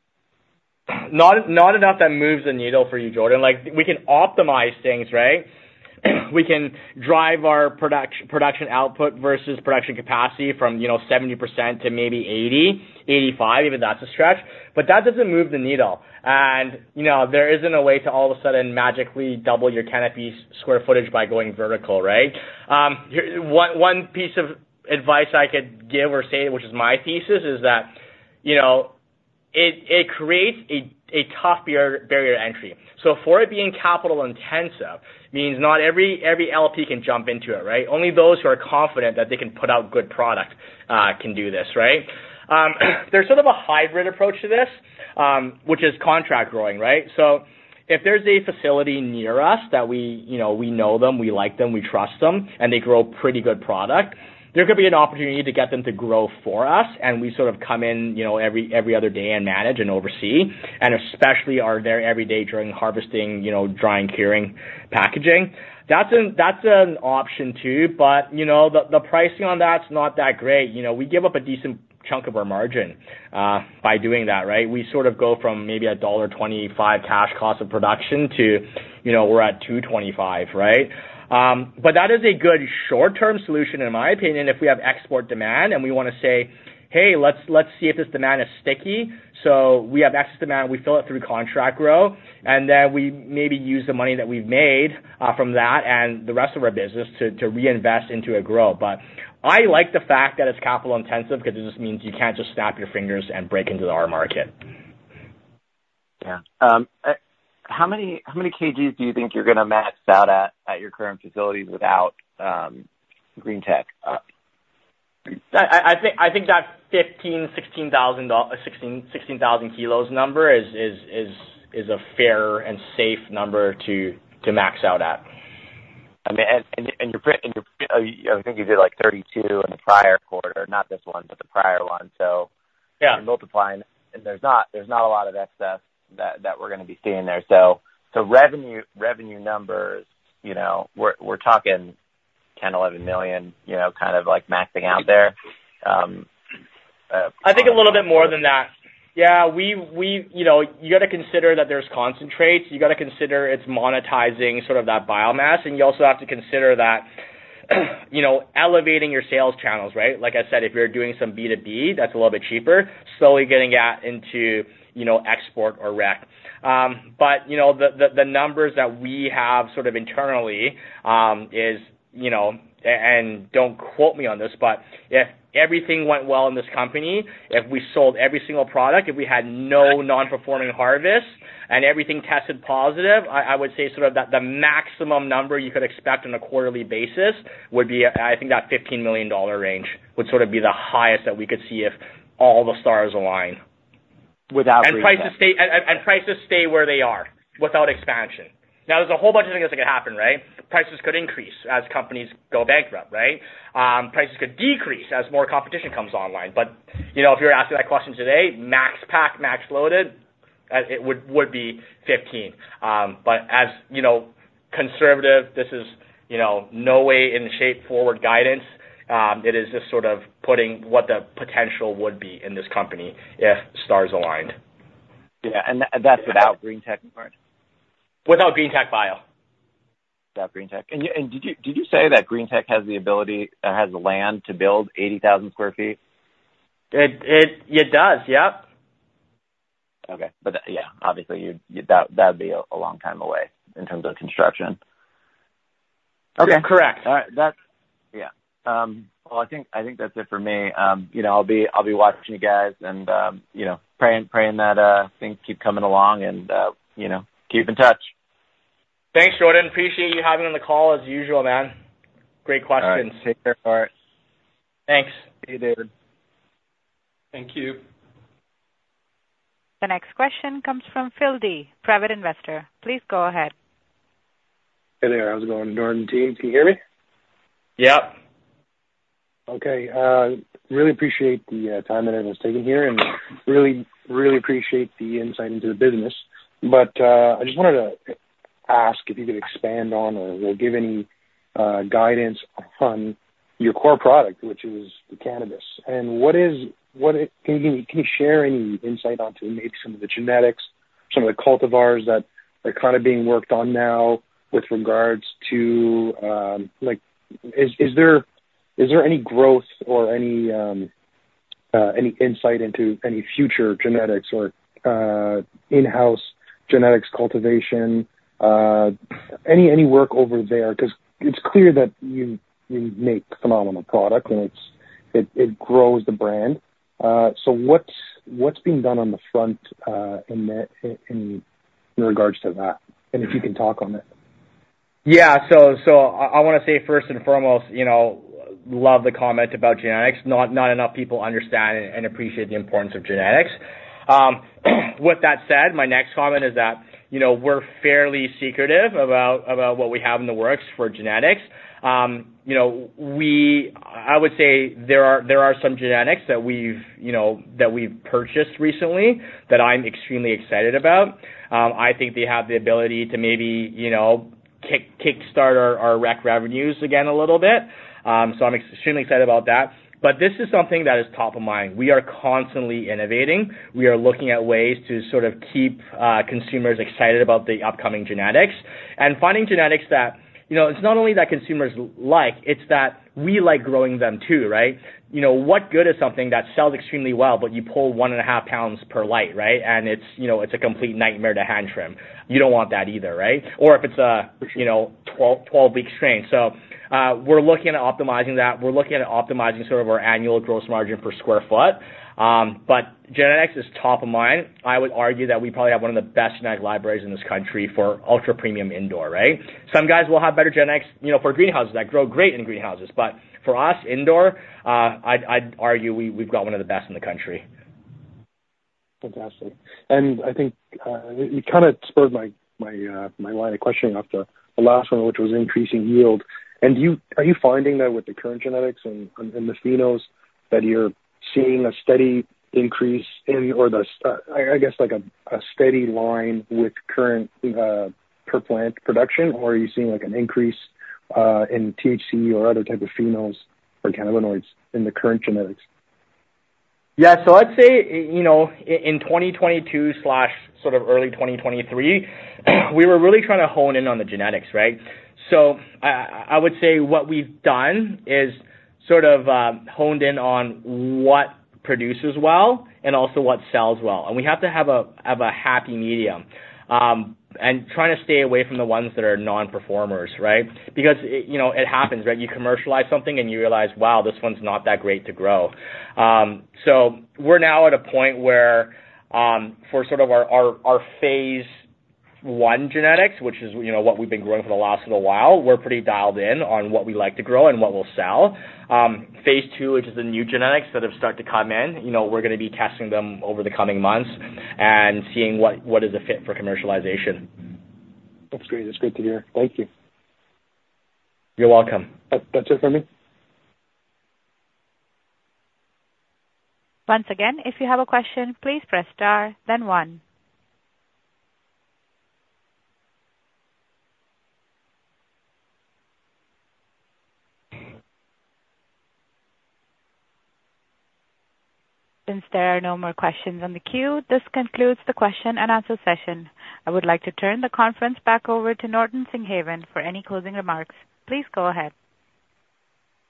D: Not enough that moves the needle for you, Jordan. We can optimize things, right? We can drive our production output versus production capacity from 70% to maybe 80%-85%, even if that's a stretch. But that doesn't move the needle. And there isn't a way to all of a sudden magically double your canopy square footage by going vertical, right? One piece of advice I could give or say, which is my thesis, is that it creates a tough barrier to entry. So for it being capital-intensive means not every LP can jump into it, right? Only those who are confident that they can put out good product can do this, right? There's sort of a hybrid approach to this, which is contract growing, right? So if there's a facility near us that we know them, we like them, we trust them, and they grow pretty good product, there could be an opportunity to get them to grow for us. And we sort of come in every other day and manage and oversee, and especially are there every day during harvesting, drying, curing, packaging. That's an option too. But the pricing on that's not that great. We give up a decent chunk of our margin by doing that, right? We sort of go from maybe a dollar 1.25 cash cost of production to we're at 2.25, right? But that is a good short-term solution, in my opinion, if we have export demand and we want to say, "Hey, let's see if this demand is sticky." So we have excess demand. We fill it through contract growth. Then we maybe use the money that we've made from that and the rest of our business to reinvest into its growth. But I like the fact that it's capital-intensive because it just means you can't just snap your fingers and break into the R market.
E: Yeah. How many kgs do you think you're going to max out at your current facilities without greenTec?
D: I think that 15,000-16,000 kilos number is a fair and safe number to max out at.
E: I mean, and I think you did 32 in the prior quarter, not this one, but the prior one. So you're multiplying, and there's not a lot of excess that we're going to be seeing there. So revenue numbers, we're talking 10-11 million kind of maxing out there.
D: I think a little bit more than that. Yeah, you got to consider that there's concentrates. You got to consider it's monetizing sort of that biomass. And you also have to consider that elevating your sales channels, right? Like I said, if you're doing some B2B, that's a little bit cheaper, slowly getting into export or rec. But the numbers that we have sort of internally is and don't quote me on this, but if everything went well in this company, if we sold every single product, if we had no non-performing harvests and everything tested positive, I would say sort of the maximum number you could expect on a quarterly basis would be, I think, that 15 million dollar range would sort of be the highest that we could see if all the stars align without reasonable. And prices stay where they are without expansion. Now, there's a whole bunch of things that could happen, right? Prices could increase as companies go bankrupt, right? Prices could decrease as more competition comes online. But if you were asking that question today, max pack, max loaded, it would be 15. But as conservative, this is no way in shape forward guidance. It is just sort of putting what the potential would be in this company if stars aligned.
E: Yeah. And that's without GreenTec part?
D: Without GreenTec Bio.
E: Without GreenTec. Did you say that GreenTec has the ability, has the land to build 80,000 sq ft?
D: It does. Yep.
E: Okay. But yeah, obviously, that would be a long time away in terms of construction.
D: Correct.
E: All right. Yeah. Well, I think that's it for me. I'll be watching you guys and praying that things keep coming along and keep in touch.
D: Thanks, Jordan. Appreciate you having on the call as usual, man. Great questions.
E: All right. Take care, Norton.
D: Thanks.
E: See you, David.
F: Thank you.
B: The next question comes from Phil D., private investor. Please go ahead.
N: Hey there. I was going to Jordan K. Can you hear me?
C: Yep.
N: Okay. Really appreciate the time that everyone's taking here and really, really appreciate the insight into the business. But I just wanted to ask if you could expand on or give any guidance on your core product, which is the cannabis. And can you share any insight onto maybe some of the genetics, some of the cultivars that are kind of being worked on now with regards to is there any growth or any insight into any future genetics or in-house genetics cultivation, any work over there? Because it's clear that you make phenomenal product, and it grows the brand. So what's being done on the front in regards to that? And if you can talk on it.
D: Yeah. So I want to say first and foremost, love the comment about genetics. Not enough people understand and appreciate the importance of genetics. With that said, my next comment is that we're fairly secretive about what we have in the works for genetics. I would say there are some genetics that we've purchased recently that I'm extremely excited about. I think they have the ability to maybe kickstart our rec revenues again a little bit. So I'm extremely excited about that. But this is something that is top of mind. We are constantly innovating. We are looking at ways to sort of keep consumers excited about the upcoming genetics and finding genetics that it's not only that consumers like, it's that we like growing them too, right? What good is something that sells extremely well, but you pull 1.5 pounds per light, right? It's a complete nightmare to hand trim. You don't want that either, right? Or if it's a 12-week strain. So we're looking at optimizing that. We're looking at optimizing sort of our annual Gross Margin per sq ft. But genetics is top of mind. I would argue that we probably have one of the best genetic libraries in this country for ultra-premium indoor, right? Some guys will have better genetics for greenhouses that grow great in greenhouses. But for us indoor, I'd argue we've got one of the best in the country.
N: Fantastic. I think you kind of spurred my line of questioning off the last one, which was increasing yield. Are you finding that with the current genetics and the phenos that you're seeing a steady increase in or I guess a steady line with current per-plant production, or are you seeing an increase in THC or other type of phenols or cannabinoids in the current genetics?
D: Yeah. So let's say in 2022, sort of early 2023, we were really trying to hone in on the genetics, right? So I would say what we've done is sort of honed in on what produces well and also what sells well. And we have to have a happy medium and trying to stay away from the ones that are non-performers, right? Because it happens, right? You commercialize something, and you realize, "Wow, this one's not that great to grow." So we're now at a point where for sort of our phase one genetics, which is what we've been growing for the last little while, we're pretty dialed in on what we like to grow and what we'll sell. Phase two, which is the new genetics that have started to come in, we're going to be testing them over the coming months and seeing what is a fit for commercialization.
N: That's great. That's great to hear. Thank you.
D: You're welcome.
N: That's it for me.
A: Once again, if you have a question, please press star, then one. Since there are no more questions on the queue, this concludes the question and answer session. I would like to turn the conference back over to Norton Singhavon for any closing remarks. Please go ahead.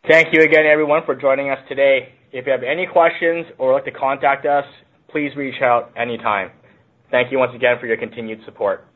D: Thank you again, everyone, for joining us today. If you have any questions or would like to contact us, please reach out anytime. Thank you once again for your continued support.